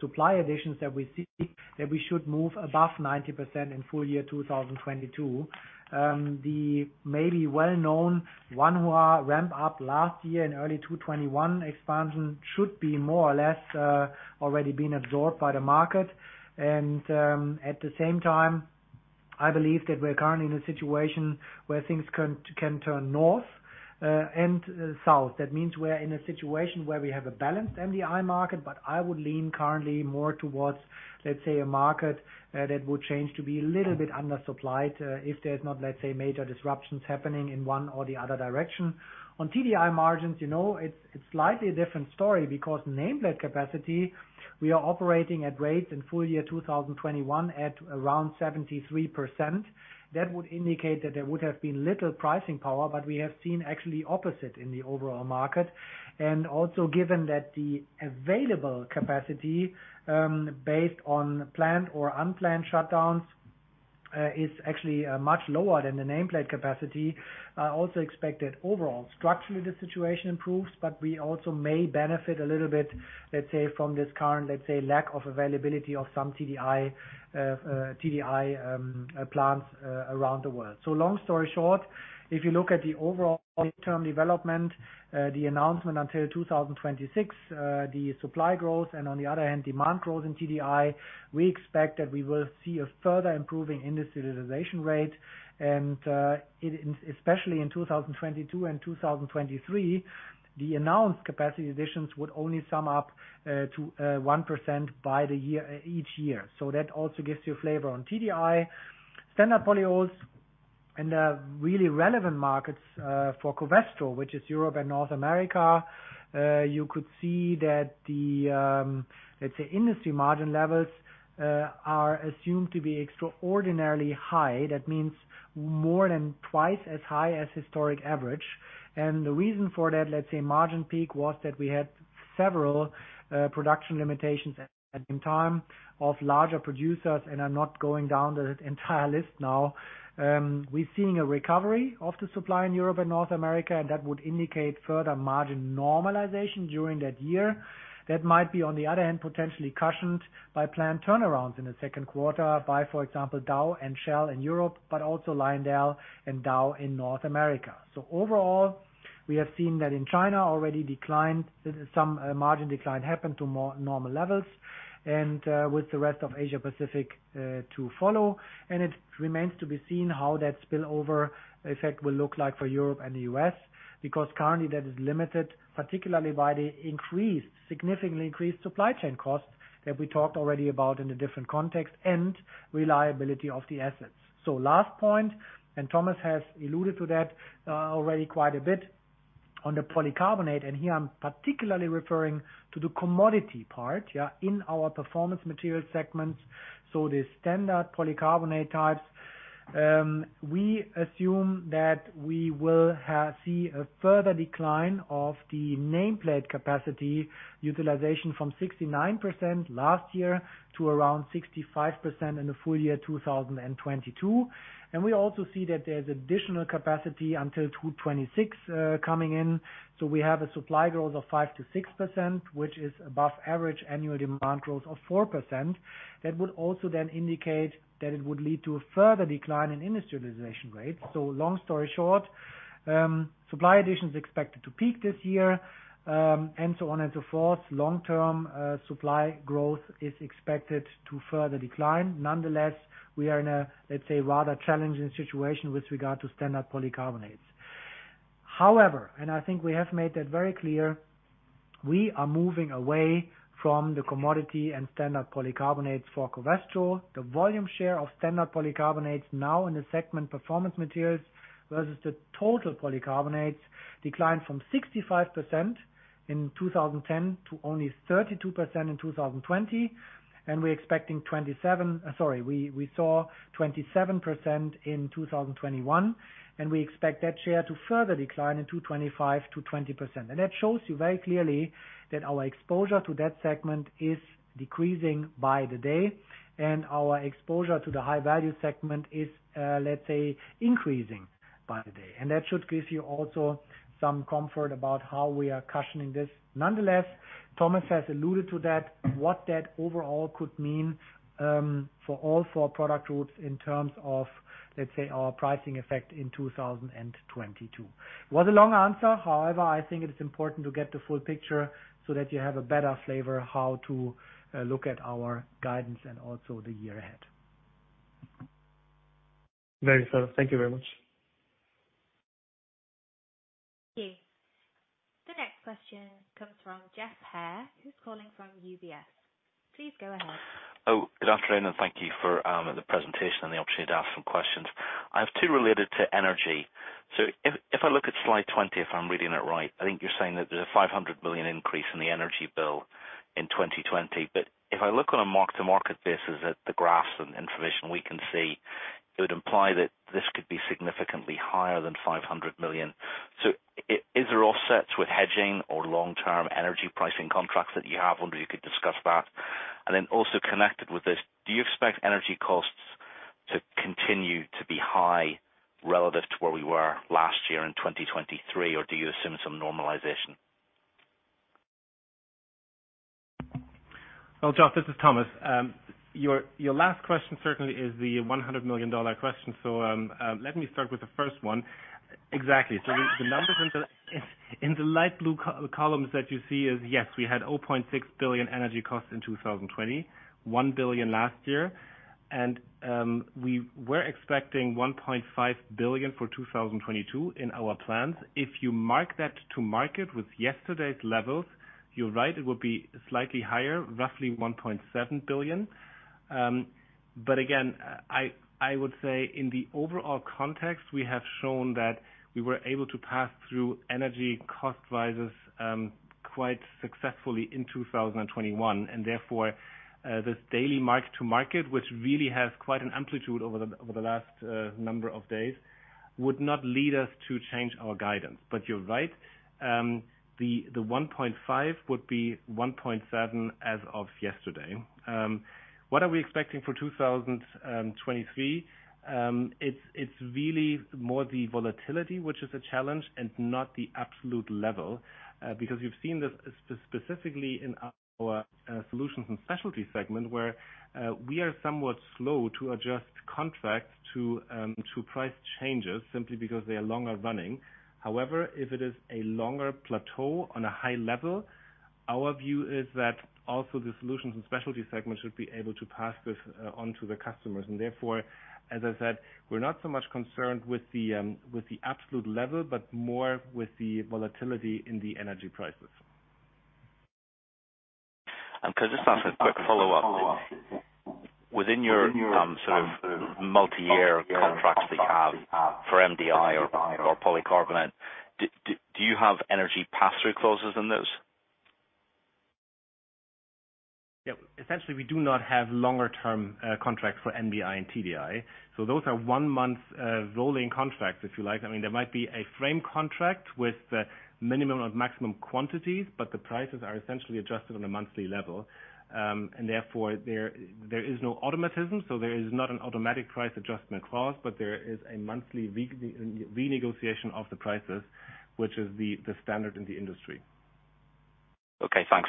supply additions that we see, that we should move above 90% in full year 2022. The maybe well-known one who ramp up last year in early 2021 expansion should be more or less already been absorbed by the market. At the same time, I believe that we're currently in a situation where things can turn north and south. That means we're in a situation where we have a balanced MDI market. I would lean currently more towards, let's say, a market that would change to be a little bit undersupplied if there's not, let's say, major disruptions happening in one or the other direction. On TDI margins, it's slightly a different story because nameplate capacity, we are operating at rates in full year 2021 at around 73%. That would indicate that there would have been little pricing power, but we have seen actually opposite in the overall market. also given that the available capacity based on planned or unplanned shutdowns is actually much lower than the nameplate capacity. I also expect that overall structurally, the situation improves, but we also may benefit a little bit, let's say, from this current, let's say, lack of availability of some TDI plants around the world. Long story short, if you look at the overall long-term development, the announcement until 2026, the supply growth, and on the other hand, demand growth in TDI, we expect that we will see a further improving industry realization rate. Especially in 2022 and 2023, the announced capacity additions would only sum up to 1% by the year each year. That also gives you a flavor on TDI. Standard polyols in the really relevant markets, for Covestro, which is Europe and North America, you could see that the, let's say, industry margin levels, are assumed to be extraordinarily high. That means more than twice as high as historic average. The reason for that, let's say, margin peak, was that we had several, production limitations at the time of larger producers, and I'm not going down the entire list now. We're seeing a recovery of the supply in Europe and North America, and that would indicate further margin normalization during that year. That might be on the other hand, potentially cushioned by planned turnarounds in the second quarter by, for example, Dow and Shell in Europe, but also LyondellBasell and Dow in North America. Overall, we have seen that in China already declined. Some margin decline happened to more normal levels and with the rest of Asia-Pacific to follow. It remains to be seen how that spillover effect will look like for Europe and the U.S., because currently that is limited, particularly by the increased, significantly increased supply chain costs that we talked already about in a different context and reliability of the assets. Last point, and Thomas has alluded to that already quite a bit on the polycarbonate, and here I'm particularly referring to the commodity part, yeah, in our Performance Materials segment. The standard polycarbonate types, we assume that we will see a further decline of the nameplate capacity utilization from 69% last year to around 65% in the full year 2022. We also see that there's additional capacity until 2026, coming in, so we have a supply growth of 5%-6%, which is above average annual demand growth of 4%. That would also then indicate that it would lead to a further decline in utilization rates. Long story short, supply addition is expected to peak this year, and so on and so forth. Long-term, supply growth is expected to further decline. Nonetheless, we are in a, let's say, rather challenging situation with regard to standard polycarbonates. However, and I think we have made that very clear, we are moving away from the commodity and standard polycarbonates for Covestro. The volume share of standard polycarbonates now in the segment Performance Materials versus the total polycarbonates declined from 65% in 2010 to only 32% in 2020. We saw 27% in 2021, and we expect that share to further decline in 2025 to 20%. That shows you very clearly that our exposure to that segment is decreasing by the day, and our exposure to the high value segment is, let's say, increasing by the day. That should give you also some comfort about how we are cushioning this. Nonetheless, Thomas has alluded to that, what that overall could mean for all four product routes in terms of. Let's say our pricing effect in 2022. Was a long answer, however, I think it is important to get the full picture so that you have a better flavor how to look at our guidance and also the year ahead. Very thorough. Thank you very much. Thank you. The next question comes from Geoff Haire, who's calling from UBS. Please go ahead. Oh, good afternoon, and thank you for the presentation and the opportunity to ask some questions. I have two related to energy. If I look at slide 20, if I'm reading it right, I think you're saying that there's a 500 million increase in the energy bill in 2020. If I look on a mark-to-market basis at the graphs and information we can see, it would imply that this could be significantly higher than 500 million. Is there offsets with hedging or long-term energy pricing contracts that you have? Wonder if you could discuss that. Also connected with this, do you expect energy costs to continue to be high relative to where we were last year in 2023, or do you assume some normalization? Well, Geoff, this is Thomas. Your last question certainly is the $100 million question. Let me start with the first one. Exactly. The numbers in the light blue columns that you see is, yes, we had 0.6 billion energy costs in 2020, 1 billion last year, and we were expecting 1.5 billion for 2022 in our plans. If you mark that to market with yesterday's levels, you're right, it would be slightly higher, roughly 1.7 billion. Again, I would say in the overall context, we have shown that we were able to pass through energy cost rises, quite successfully in 2021, and therefore, this daily mark to market, which really has quite an amplitude over the last number of days, would not lead us to change our guidance. You're right, the 1.5 would be 1.7 as of yesterday. What are we expecting for 2023? It's really more the volatility, which is a challenge and not the absolute level, because you've seen this specifically in our Solutions & Specialties segment, where we are somewhat slow to adjust contracts to price changes simply because they are longer running. However, if it is a longer plateau on a high level, our view is that also the Solutions & Specialties segment should be able to pass this on to the customers. Therefore, as I said, we're not so much concerned with the absolute level, but more with the volatility in the energy prices. Could I just ask a quick follow up? Within your sort of multi-year contracts that you have for MDI or polycarbonate, do you have energy pass-through clauses in those? Yeah. Essentially, we do not have longer-term contracts for MDI and TDI. Those are one-month rolling contracts, if you like. I mean, there might be a frame contract with the minimum and maximum quantities, but the prices are essentially adjusted on a monthly level. Therefore, there is no automatism, so there is not an automatic price adjustment clause, but there is a monthly re-negotiation of the prices, which is the standard in the industry. Okay, thanks.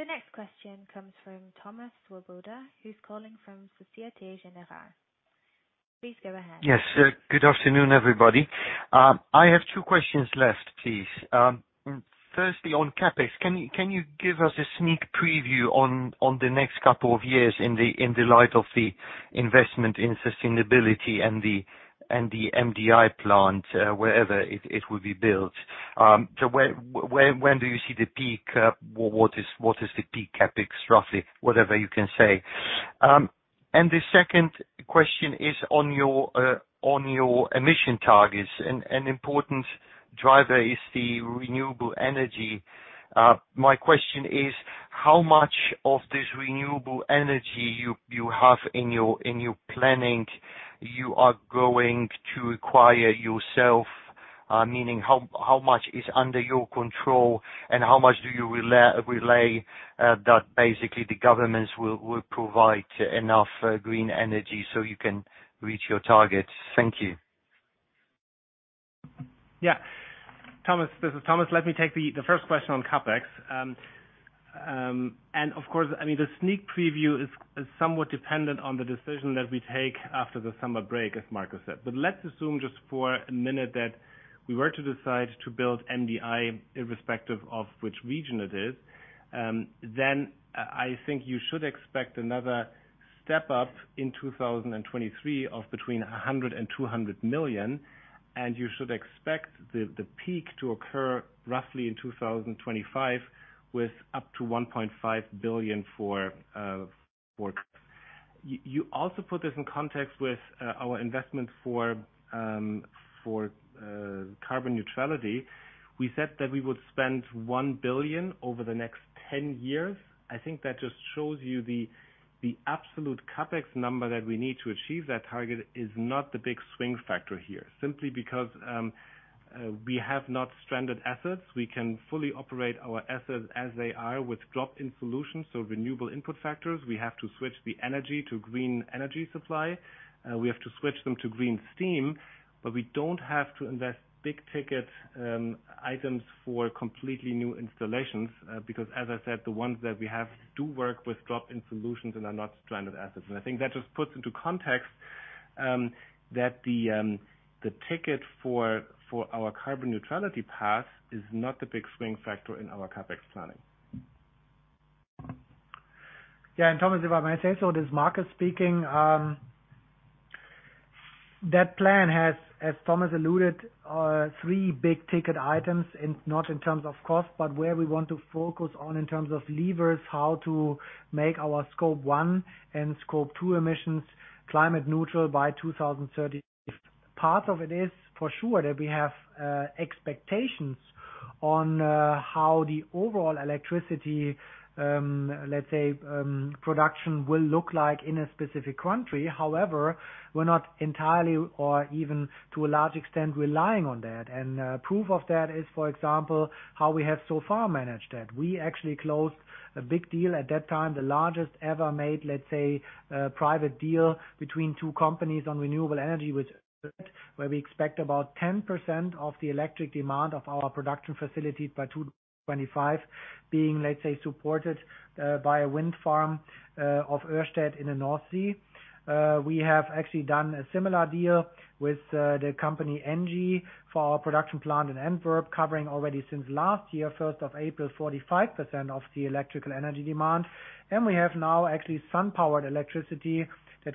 The next question comes from Thomas Swoboda, who's calling from Société Générale. Please go ahead. Yes. Good afternoon, everybody. I have two questions left, please. Firstly, on CapEx, can you give us a sneak preview on the next couple of years in the light of the investment in sustainability and the MDI plant, wherever it will be built? So when do you see the peak? What is the peak CapEx, roughly? Whatever you can say. And the second question is on your emission targets. An important driver is the renewable energy. My question is, how much of this renewable energy you have in your planning you are going to acquire yourself? Meaning how much is under your control and how much do you rely that basically the governments will provide enough green energy so you can reach your targets? Thank you. Yeah. Thomas, this is Thomas. Let me take the first question on CapEx. Of course, I mean, the sneak preview is somewhat dependent on the decision that we take after the summer break, as Markus said. Let's assume just for a minute that we were to decide to build MDI irrespective of which region it is, then I think you should expect another step up in 2023 of between 100 million and 200 million, and you should expect the peak to occur roughly in 2025 with up to 1.5 billion for Yeah. You also put this in context with our investment for carbon neutrality. We said that we would spend 1 billion over the next 10 years. I think that just shows you the absolute CapEx number that we need to achieve that target is not the big swing factor here. Simply because we have not stranded assets. We can fully operate our assets as they are with drop-in solutions, so renewable input factors. We have to switch the energy to green energy supply. We have to switch them to green steam, but we don't have to invest big-ticket items for completely new installations, because as I said, the ones that we have do work with drop-in solutions and are not stranded assets. I think that just puts into context that the ticket for our carbon neutrality path is not the big swing factor in our CapEx planning. Yeah. Thomas, if I may say so, this is Markus speaking. That plan has, as Thomas alluded, three big ticket items, and not in terms of cost, but where we want to focus on in terms of levers, how to make our Scope one and Scope two emissions climate neutral by 2030. Part of it is for sure that we have expectations on how the overall electricity, let's say, production will look like in a specific country. However, we're not entirely or even to a large extent, relying on that. Proof of that is, for example, how we have so far managed that. We actually closed a big deal at that time, the largest ever made, let's say, private deal between two companies on renewable energy with where we expect about 10% of the electric demand of our production facility by 2025 being, let's say, supported, by a wind farm, of Ørsted in the North Sea. We have actually done a similar deal with, the company, Engie, for our production plant in Antwerp, covering already since last year, first of April, 45% of the electrical energy demand. We have now actually solar-powered electricity that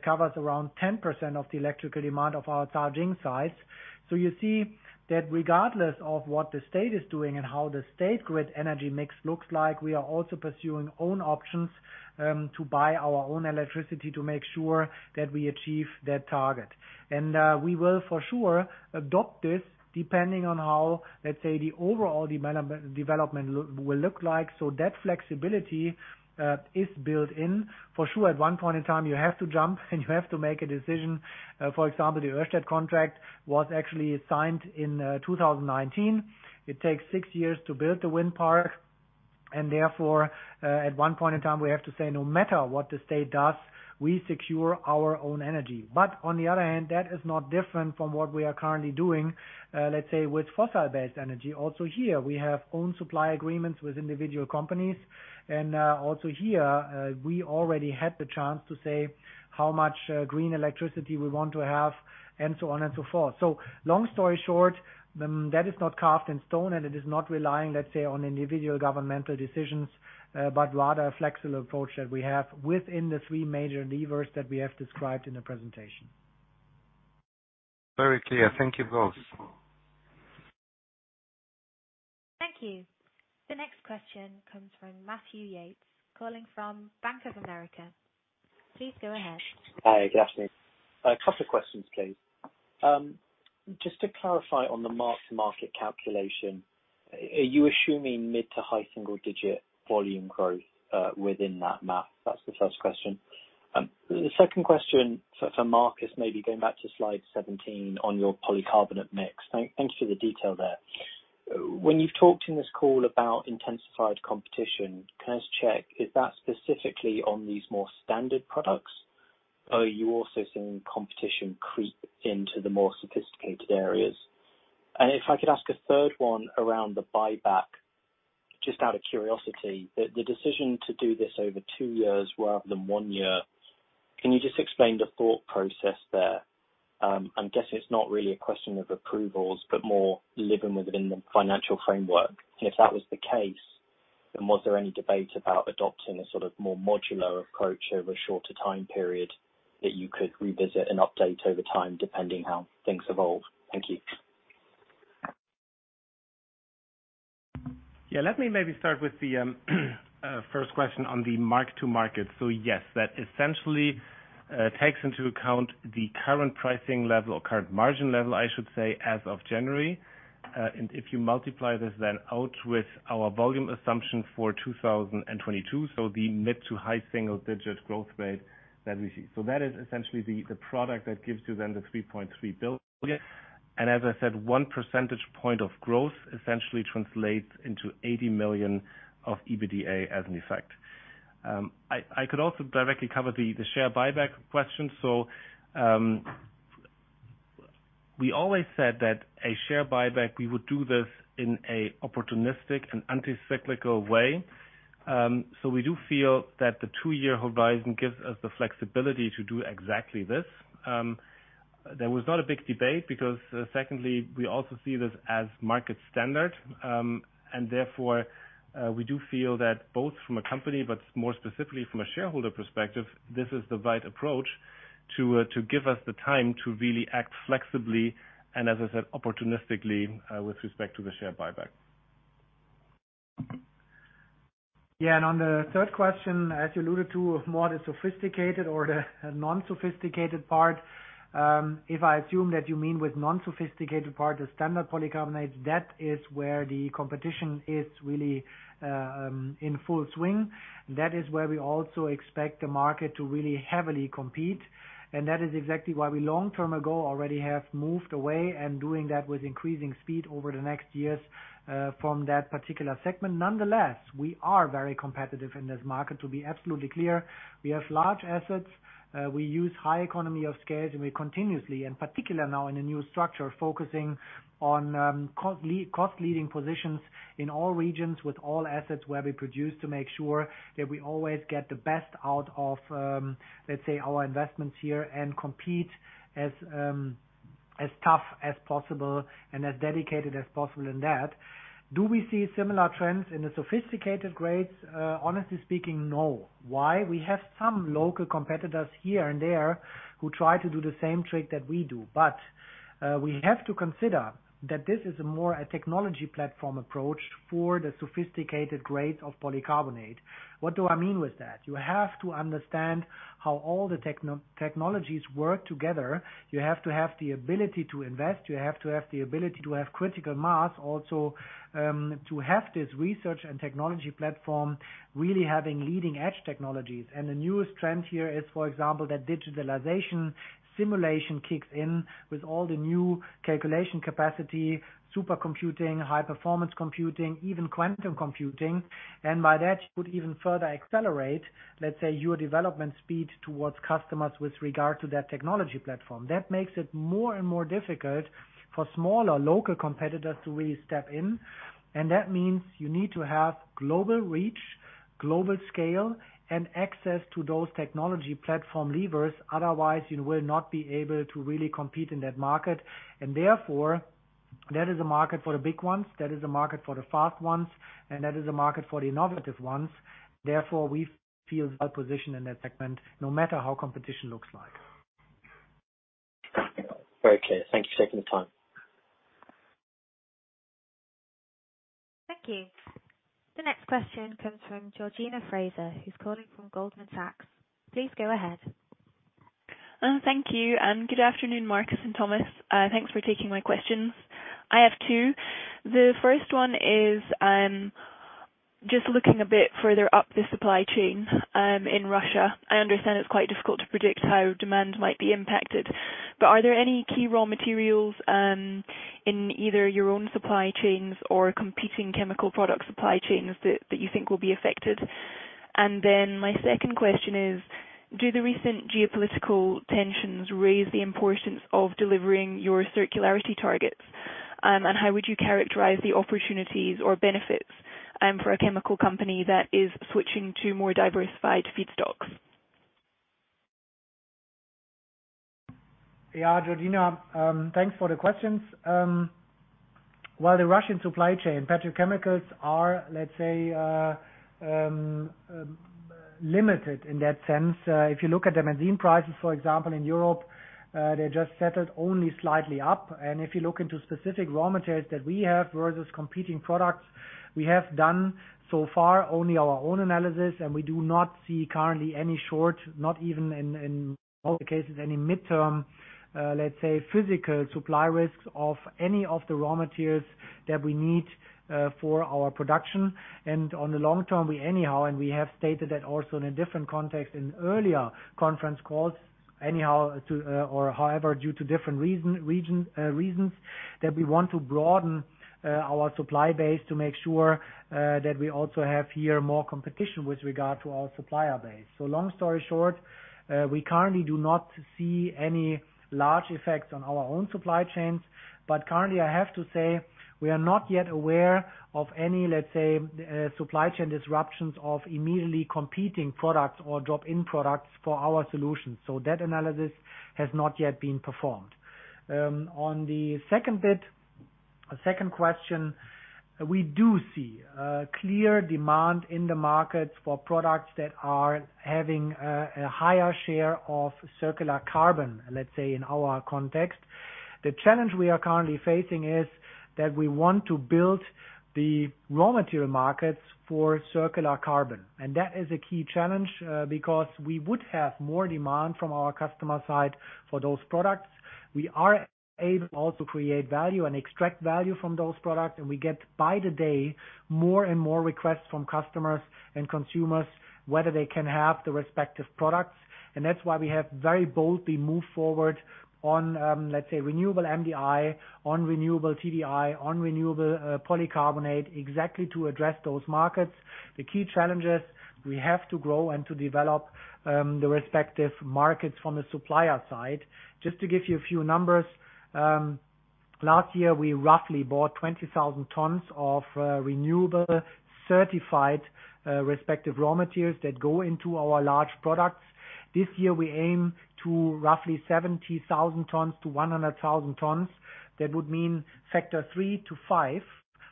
covers around 10% of the electrical demand of our Shanghai site. You see that regardless of what the state is doing and how the state grid energy mix looks like, we are also pursuing own options to buy our own electricity to make sure that we achieve that target. We will for sure adopt this depending on how, let's say, the overall development will look like. That flexibility is built in. For sure, at one point in time, you have to jump and you have to make a decision. For example, the Ørsted contract was actually signed in 2019. It takes six years to build the wind park, and therefore, at one point in time, we have to say, no matter what the state does, we secure our own energy. On the other hand, that is not different from what we are currently doing, let's say, with fossil-based energy. Also here, we have own supply agreements with individual companies. also here, we already had the chance to say how much green electricity we want to have and so on and so forth. Long story short, that is not carved in stone, and it is not relying, let's say, on individual governmental decisions, but rather a flexible approach that we have within the three major levers that we have described in the presentation. Very clear. Thank you both. Thank you. The next question comes from Matthew Yates, calling from Bank of America. Please go ahead. Hi. Good afternoon. A couple of questions, please. Just to clarify on the mark-to-market calculation, are you assuming mid to high single digit volume growth within that math? That's the first question. The second question for Marcus, maybe going back to slide 17 on your polycarbonate mix. Thanks for the detail there. When you've talked in this call about intensified competition, can I just check, is that specifically on these more standard products? Are you also seeing competition creep into the more sophisticated areas? If I could ask a third one around the buyback, just out of curiosity, the decision to do this over two years rather than one year, can you just explain the thought process there? I'm guessing it's not really a question of approvals, but more living within the financial framework. If that was the case, then was there any debate about adopting a sort of more modular approach over a shorter time period that you could revisit and update over time, depending how things evolve? Thank you. Yeah. Let me maybe start with the first question on the mark-to-market. Yes, that essentially takes into account the current pricing level or current margin level, I should say, as of January. If you multiply this then out with our volume assumption for 2022, the mid- to high-single-digit growth rate that we see. That is essentially the product that gives you then the 3.3 billion. As I said, 1 percentage point of growth essentially translates into 80 million of EBITDA as an effect. I could also directly cover the share buyback question. We always said that a share buyback, we would do this in an opportunistic and anti-cyclical way. We do feel that the two-year horizon gives us the flexibility to do exactly this. There was not a big debate because, secondly, we also see this as market standard. Therefore, we do feel that both from a company, but more specifically from a shareholder perspective, this is the right approach to give us the time to really act flexibly and as I said, opportunistically, with respect to the share buyback. Yeah. On the third question, as you alluded to, more the sophisticated or the non-sophisticated part, if I assume that you mean with non-sophisticated part, the standard polycarbonate, that is where the competition is really in full swing. That is where we also expect the market to really heavily compete. That is exactly why we long-term ago already have moved away and doing that with increasing speed over the next years from that particular segment. Nonetheless, we are very competitive in this market, to be absolutely clear. We have large assets, we use high economies of scale, and we continuously, and particularly now in a new structure, focusing on, cost-leading positions in all regions with all assets where we produce to make sure that we always get the best out of, let's say, our investments here and compete as tough as possible and as dedicated as possible in that. Do we see similar trends in the sophisticated grades? Honestly speaking, no. Why? We have some local competitors here and there who try to do the same trick that we do. We have to consider that this is more a technology platform approach for the sophisticated grades of polycarbonate. What do I mean with that? You have to understand how all the technologies work together. You have to have the ability to invest. You have to have the ability to have critical mass also, to have this research and technology platform really having leading-edge technologies. The newest trend here is, for example, that digitalization simulation kicks in with all the new calculation capacity, supercomputing, high-performance computing, even quantum computing. By that, you could even further accelerate, let's say, your development speed towards customers with regard to that technology platform. That makes it more and more difficult for smaller local competitors to really step in. That means you need to have global reach, global scale, and access to those technology platform levers. Otherwise, you will not be able to really compete in that market. Therefore, that is a market for the big ones, that is a market for the fast ones, and that is a market for the innovative ones. Therefore, we feel well-positioned in that segment, no matter how competition looks like. Very clear. Thank you for taking the time. Thank you. The next question comes from Georgina Fraser, who's calling from Goldman Sachs. Please go ahead. Thank you, and good afternoon, Markus and Thomas. Thanks for taking my questions. I have two. The first one is, just looking a bit further up the supply chain, in Russia. I understand it's quite difficult to predict how demand might be impacted. Are there any key raw materials, in either your own supply chains or competing chemical product supply chains that you think will be affected? Then my second question is, do the recent geopolitical tensions raise the importance of delivering your circularity targets? How would you characterize the opportunities or benefits, for a chemical company that is switching to more diversified feedstocks? Yeah. Georgina, thanks for the questions. Well, the Russian supply chain petrochemicals are, let's say, limited in that sense. If you look at the benzene prices, for example, in Europe, they just settled only slightly up. If you look into specific raw materials that we have versus competing products, we have done so far only our own analysis, and we do not see currently any short-term, not even in all the cases, any mid-term, let's say, physical supply risks of any of the raw materials that we need for our production. On the long term, we anyhow have stated that also in a different context in earlier conference calls, anyhow, or however, due to different reasons, that we want to broaden our supply base to make sure that we also have here more competition with regard to our supplier base. Long story short, we currently do not see any large effects on our own supply chains. Currently, I have to say, we are not yet aware of any, let's say, supply chain disruptions of immediately competing products or drop-in products for our solutions. That analysis has not yet been performed. On the second question, we do see a clear demand in the markets for products that are having a higher share of circular carbon, let's say, in our context. The challenge we are currently facing is that we want to build the raw material markets for circular carbon. That is a key challenge, because we would have more demand from our customer side for those products. We are also able to create value and extract value from those products, and we get, by the day, more and more requests from customers and consumers, whether they can have the respective products. That's why we have very boldly moved forward on, let's say, renewable MDI, on renewable TDI, on renewable polycarbonate, exactly to address those markets. The key challenge is we have to grow and to develop the respective markets from the supplier side. Just to give you a few numbers, last year, we roughly bought 20,000 tons of renewable certified respective raw materials that go into our large products. This year, we aim to roughly 70,000 tons-100,000 tons. That would mean factor three-five.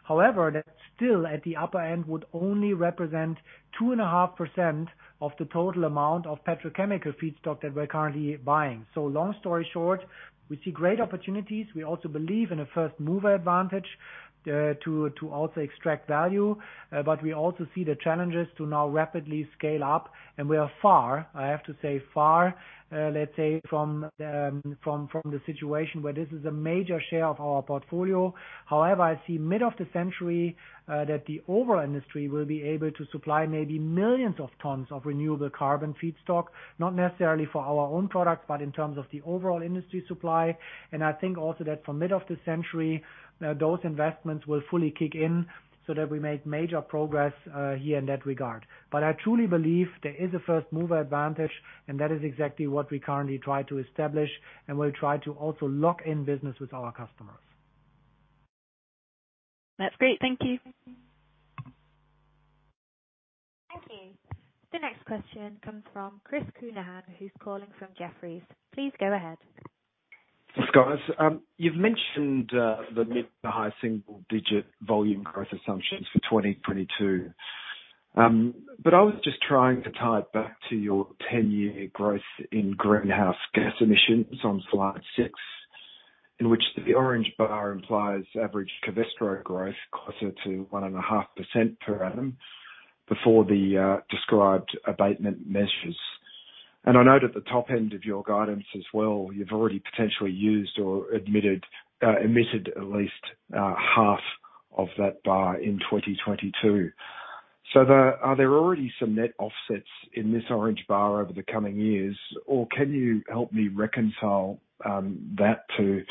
However, that still, at the upper end, would only represent 2.5% of the total amount of petrochemical feedstock that we're currently buying. Long story short, we see great opportunities. We also believe in a first-mover advantage to also extract value. But we also see the challenges to now rapidly scale up. We are far. I have to say far, let's say from the situation where this is a major share of our portfolio. However, I see mid-century that the overall industry will be able to supply maybe millions of tons of renewable carbon feedstock, not necessarily for our own products, but in terms of the overall industry supply. I think also that for mid of the century, those investments will fully kick in so that we make major progress, here in that regard. I truly believe there is a first-mover advantage, and that is exactly what we currently try to establish, and we'll try to also lock in business with our customers. That's great. Thank you. Next question comes from Chris Counihan, who's calling from Jefferies. Please go ahead. Thanks, guys. You've mentioned the mid- to high-single-digit volume growth assumptions for 2022. But I was just trying to tie it back to your 10-year growth in greenhouse gas emissions on slide six, in which the orange bar implies average Covestro growth closer to 1.5% per annum before the described abatement measures. I know that the top end of your guidance as well, you've already potentially used or emitted at least half of that bar in 2022. Are there already some net offsets in this orange bar over the coming years? Or can you help me reconcile that to,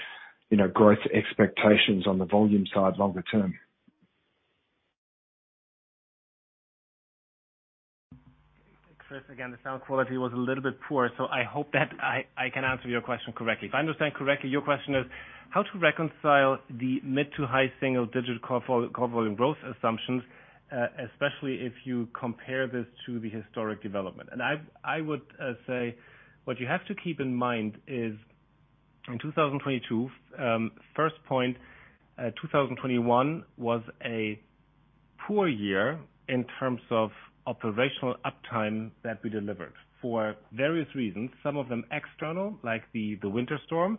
you know, growth expectations on the volume side longer term? Chris, again, the sound quality was a little bit poor, so I hope that I can answer your question correctly. If I understand correctly, your question is how to reconcile the mid- to high-single-digit core volume growth assumptions, especially if you compare this to the historic development. I would say what you have to keep in mind is in 2022, first point, 2021 was a poor year in terms of operational uptime that we delivered for various reasons. Some of them external, like the winter storm,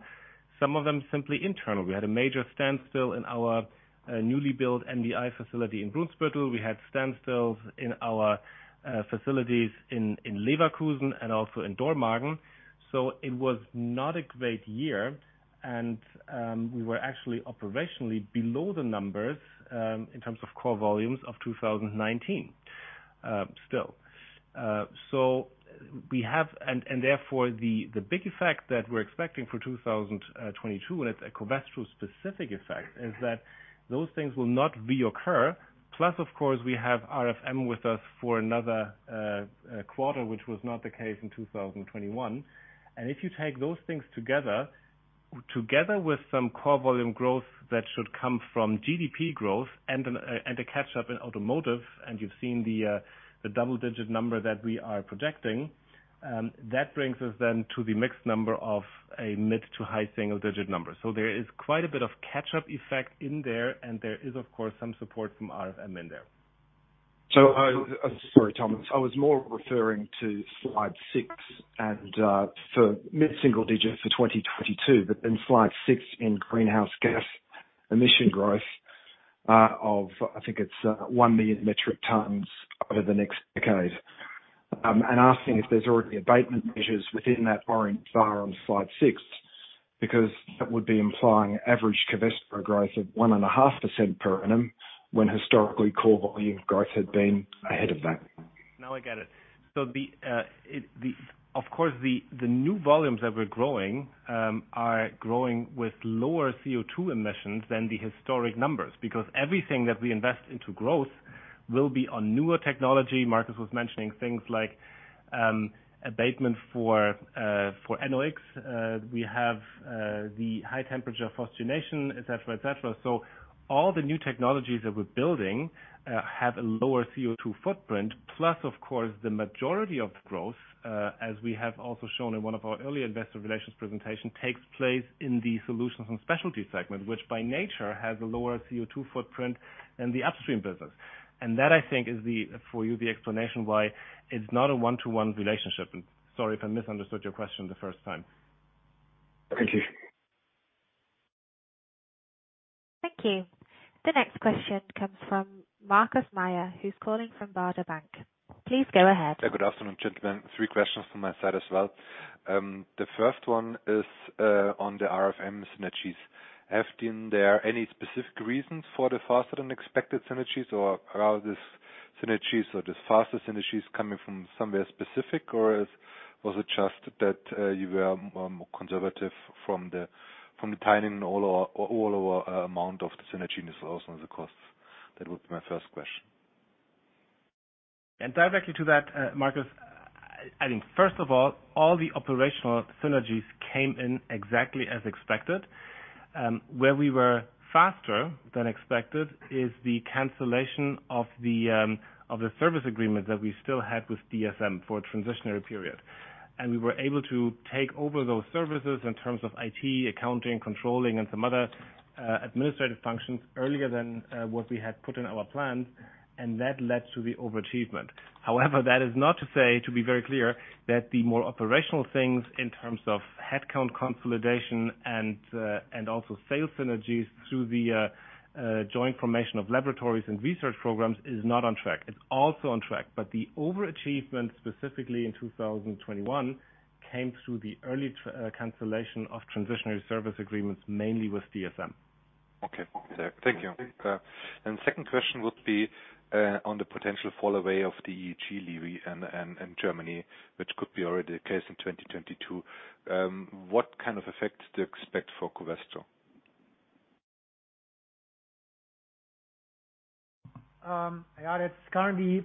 some of them simply internal. We had a major standstill in our newly built MDI facility in Brunsbüttel. We had standstills in our facilities in Leverkusen and also in Dormagen. It was not a great year. We were actually operationally below the numbers in terms of core volumes of 2019 still. Therefore, the big effect that we're expecting for 2022, and it's a Covestro specific effect, is that those things will not reoccur. Plus, of course, we have RFM with us for another quarter, which was not the case in 2021. If you take those things together with some core volume growth that should come from GDP growth and a catch-up in automotive, and you've seen the double-digit number that we are projecting, that brings us then to the mid- to high-single-digit number. There is quite a bit of catch-up effect in there, and there is, of course, some support from RFM in there. Sorry, Thomas. I was more referring to slide six and for mid-single digit for 2022. Slide six in greenhouse gas emission growth of I think it's 1 million metric tons over the next decade. Asking if there's already abatement measures within that orange bar on slide six, because that would be implying average Covestro growth of 1.5% per annum, when historically, core volume growth had been ahead of that. Now I get it. Of course, the new volumes that we're growing are growing with lower CO2 emissions than the historic numbers, because everything that we invest into growth will be on newer technology. Markus was mentioning things like abatement for NOx. We have the high temperature chlorination, et cetera, et cetera. All the new technologies that we're building have a lower CO2 footprint. Plus, of course, the majority of growth, as we have also shown in one of our earlier investor relations presentation, takes place in the Solutions & Specialties segment, which by nature has a lower CO2 footprint than the upstream business. That, I think, is, for you, the explanation why it's not a one-to-one relationship. Sorry if I misunderstood your question the first time. Thank you. Thank you. The next question comes from Markus Mayer, who's calling from Baader Bank. Please go ahead. Good afternoon, gentlemen. Three questions from my side as well. The first one is on the RFM synergies. Have there been any specific reasons for the faster than expected synergies or are these synergies or these faster synergies coming from somewhere specific? Was it just that you were more conservative from the timing of our amount of the synergy and also on the costs? That would be my first question. Directly to that, Markus, I think first of all the operational synergies came in exactly as expected. Where we were faster than expected is the cancellation of the service agreement that we still had with DSM for a transitionary period. We were able to take over those services in terms of IT, accounting, controlling, and some other administrative functions earlier than what we had put in our plans, and that led to the overachievement. However, that is not to say, to be very clear, that the more operational things in terms of headcount consolidation and also sales synergies through the joint formation of laboratories and research programs is not on track. It's also on track. The overachievement, specifically in 2021, came through the early cancellation of transitional service agreements, mainly with DSM. Thank you. Second question would be on the potential fall away of the EEG levy in Germany, which could be already the case in 2022. What kind of effect do you expect for Covestro? Yeah, that's currently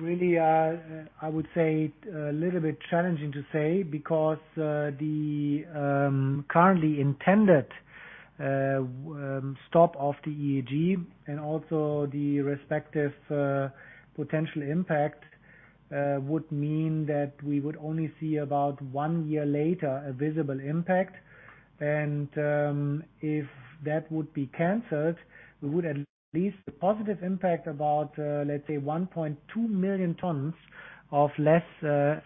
really, I would say a little bit challenging to say because the currently intended stop of the EEG and also the respective potential impact would mean that we would only see about one year later a visible impact. If that would be canceled, we would at least a positive impact about, let's say 1.2 million tons of less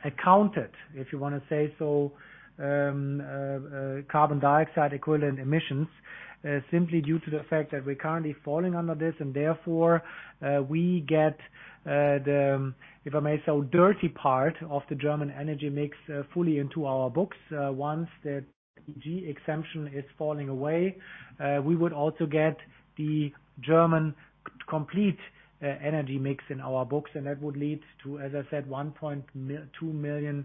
accounted, if you wanna say so, carbon dioxide equivalent emissions. Simply due to the fact that we're currently falling under this and therefore we get the, if I may say, dirty part of the German energy mix fully into our books. Once the EEG exemption is falling away, we would also get the German complete energy mix in our books, and that would lead to, as I said, 1.2 million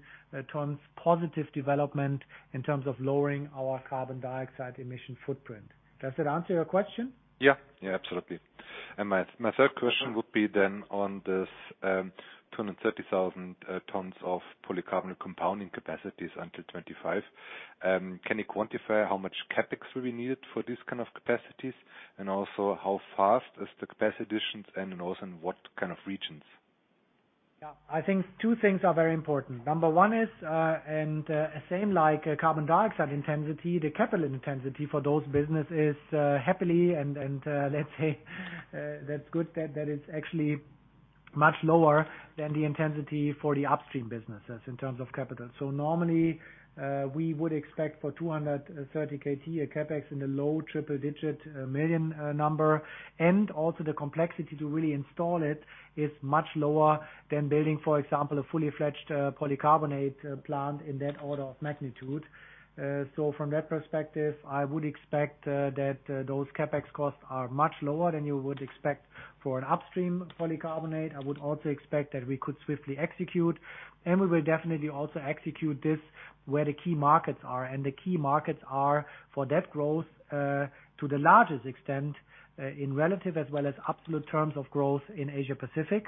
tons positive development in terms of lowering our carbon dioxide emission footprint. Does that answer your question? Yeah. Yeah, absolutely. My third question would be then on this 230,000 tons of polycarbonate compounding capacities until 2025. Can you quantify how much CapEx will be needed for this kind of capacities? Also, how fast is the capacity additions and also in what kind of regions? Yeah. I think two things are very important. Number one is, and same like carbon dioxide intensity, the capital intensity for those businesses, happily and, let's say, that's good that is actually much lower than the intensity for the upstream businesses in terms of capital. Normally, we would expect for 230 KT, a CapEx in the low triple-digit million EUR number. Also the complexity to really install it is much lower than building, for example, a fully-fledged polycarbonate plant in that order of magnitude. From that perspective, I would expect that those CapEx costs are much lower than you would expect for an upstream polycarbonate. I would also expect that we could swiftly execute, and we will definitely also execute this where the key markets are. The key markets are for that growth, to the largest extent, in relative as well as absolute terms of growth in Asia Pacific.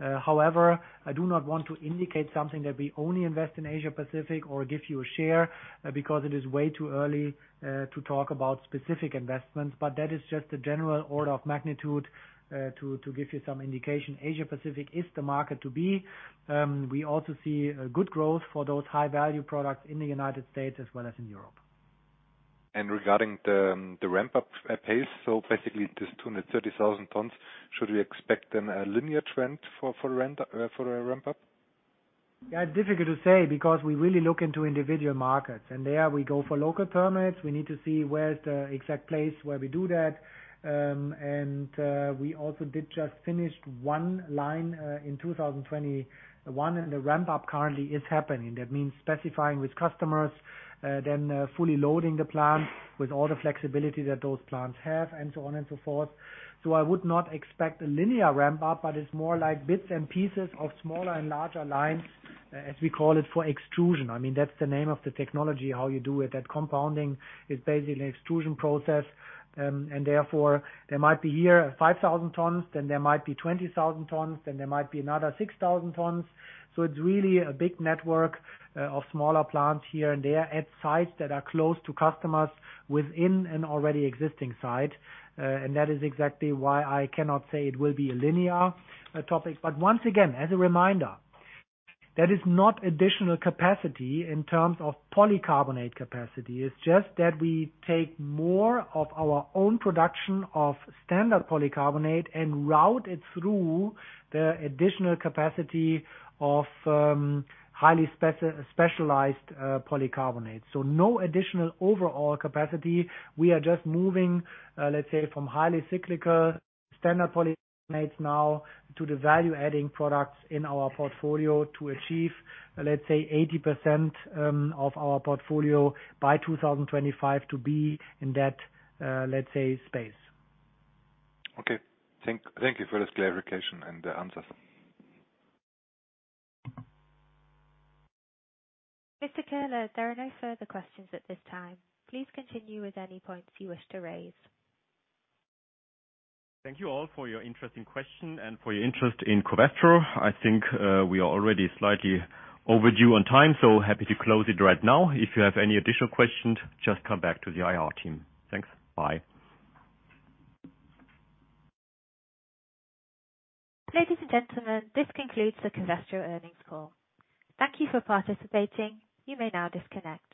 However, I do not want to indicate something that we only invest in Asia Pacific or give you a share, because it is way too early, to talk about specific investments. That is just a general order of magnitude, to give you some indication. Asia Pacific is the market to be. We also see a good growth for those high value products in the United States as well as in Europe. Regarding the ramp-up pace, so basically this 230,000 tons, should we expect then a linear trend for a ramp-up? Yeah, it's difficult to say because we really look into individual markets. There we go for local permits. We need to see where is the exact place where we do that. We also just finished one line in 2021, and the ramp-up currently is happening. That means specifying with customers, then fully loading the plant with all the flexibility that those plants have and so on and so forth. I would not expect a linear ramp-up, but it's more like bits and pieces of smaller and larger lines, as we call it, for extrusion. I mean, that's the name of the technology, how you do it. That compounding is basically an extrusion process. Therefore, there might be here 5,000 tons, then there might be 20,000 tons, then there might be another 6,000 tons. It's really a big network of smaller plants here and there at sites that are close to customers within an already existing site. That is exactly why I cannot say it will be a linear topic. Once again, as a reminder, that is not additional capacity in terms of polycarbonate capacity. It's just that we take more of our own production of standard polycarbonate and route it through the additional capacity of highly specialized polycarbonate. No additional overall capacity. We are just moving, let's say, from highly cyclical standard polycarbonates now to the value-adding products in our portfolio to achieve, let's say, 80% of our portfolio by 2025 to be in that, let's say, space. Okay. Thank you for this clarification and the answers. Mr. Köhler, there are no further questions at this time. Please continue with any points you wish to raise. Thank you all for your interesting question and for your interest in Covestro. I think we are already slightly overdue on time, so happy to close it right now. If you have any additional questions, just come back to the IR team. Thanks. Bye. Ladies and gentlemen, this concludes the Covestro earnings call. Thank you for participating. You may now disconnect.